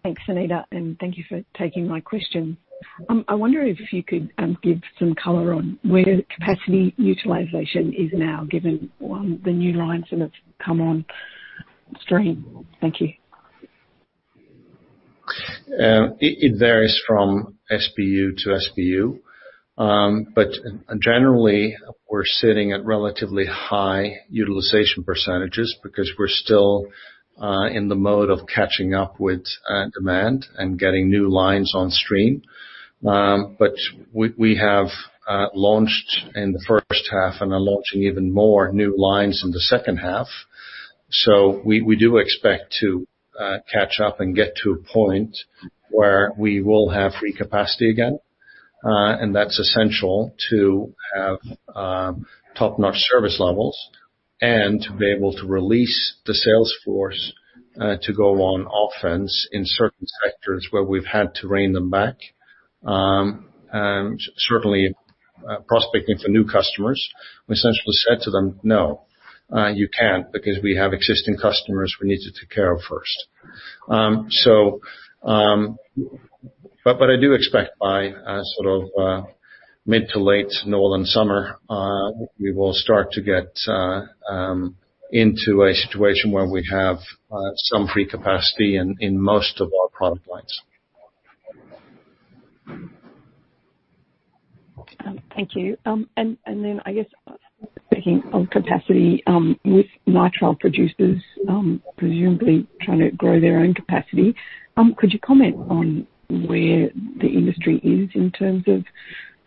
Thanks, Anita. Thank you for taking my question. I wonder if you could give some color on where capacity utilization is now given the new lines that have come on stream. Thank you. It varies from SBU to SBU. Generally, we're sitting at relatively high utilization percentages because we're still in the mode of catching up with demand and getting new lines on stream. We have launched in the first half and are launching even more new lines in the second half. We do expect to catch up and get to a point where we will have free capacity again, and that's essential to have top-notch service levels and to be able to release the sales force to go on offense in certain sectors where we've had to rein them back. Certainly, prospecting for new customers. We essentially said to them, "No, you can't, because we have existing customers we need to take care of first." I do expect by mid to late northern summer, we will start to get into a situation where we have some free capacity in most of our product lines. Thank you. I guess, speaking of capacity, with nitrile producers presumably trying to grow their own capacity, could you comment on where the industry is in terms of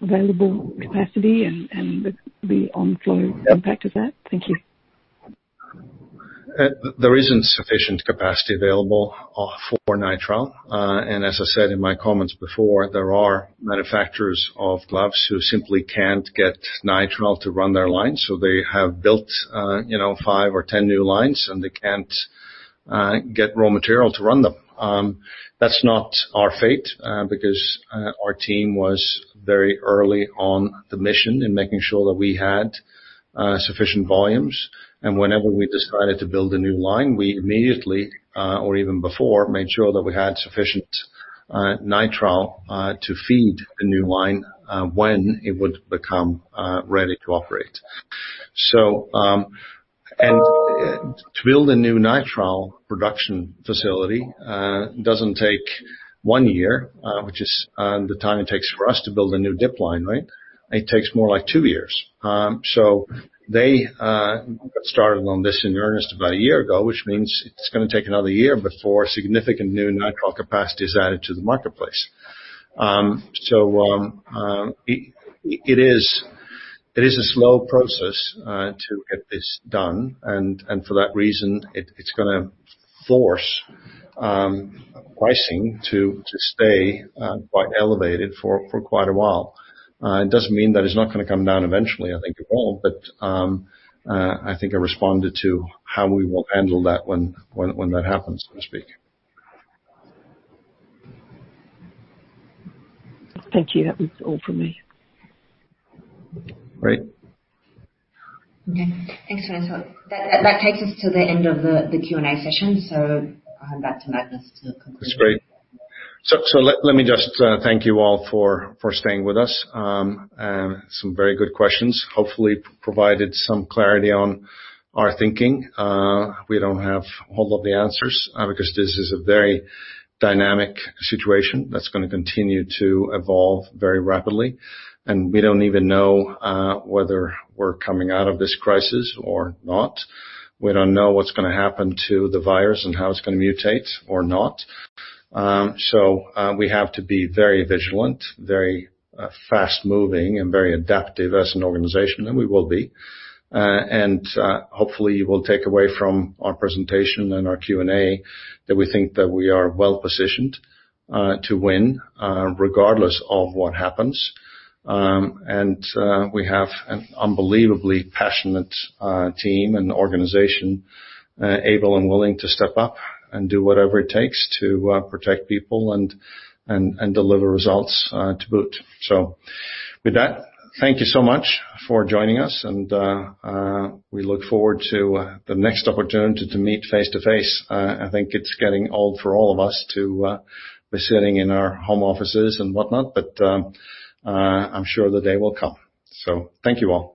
available capacity and the onflow impact of that? Thank you. There isn't sufficient capacity available for nitrile. As I said in my comments before, there are manufacturers of gloves who simply can't get nitrile to run their lines. They have built five or 10 new lines, and they can't get raw material to run them. That's not our fate because our team was very early on the mission in making sure that we had sufficient volumes. Whenever we decided to build a new line, we immediately, or even before, made sure that we had sufficient nitrile to feed the new line when it would become ready to operate. To build a new nitrile production facility doesn't take one year, which is the time it takes for us to build a new dip line, right? It takes more like two years. They got started on this in earnest about a year ago, which means it's going to take another year before significant new nitrile capacity is added to the marketplace. It is a slow process to get this done, for that reason, it's going to force pricing to stay quite elevated for quite a while. It doesn't mean that it's not going to come down eventually. I think it will. I think I responded to how we will handle that when that happens, so to speak. Thank you. That was all for me. Great. Okay. Thanks, Vanessa. That takes us to the end of the Q&A session. I'll hand back to Magnus to conclude. That's great. Let me just thank you all for staying with us. Some very good questions. Hopefully provided some clarity on our thinking. We don't have all of the answers because this is a very dynamic situation that's going to continue to evolve very rapidly, and we don't even know whether we're coming out of this crisis or not. We don't know what's going to happen to the virus and how it's going to mutate or not. We have to be very vigilant, very fast-moving, and very adaptive as an organization, and we will be. Hopefully you will take away from our presentation and our Q&A that we think that we are well-positioned to win regardless of what happens. We have an unbelievably passionate team and organization, able and willing to step up and do whatever it takes to protect people and deliver results to boot. With that, thank you so much for joining us, and we look forward to the next opportunity to meet face-to-face. I think it's getting old for all of us to be sitting in our home offices and whatnot, but I am sure the day will come. Thank you all.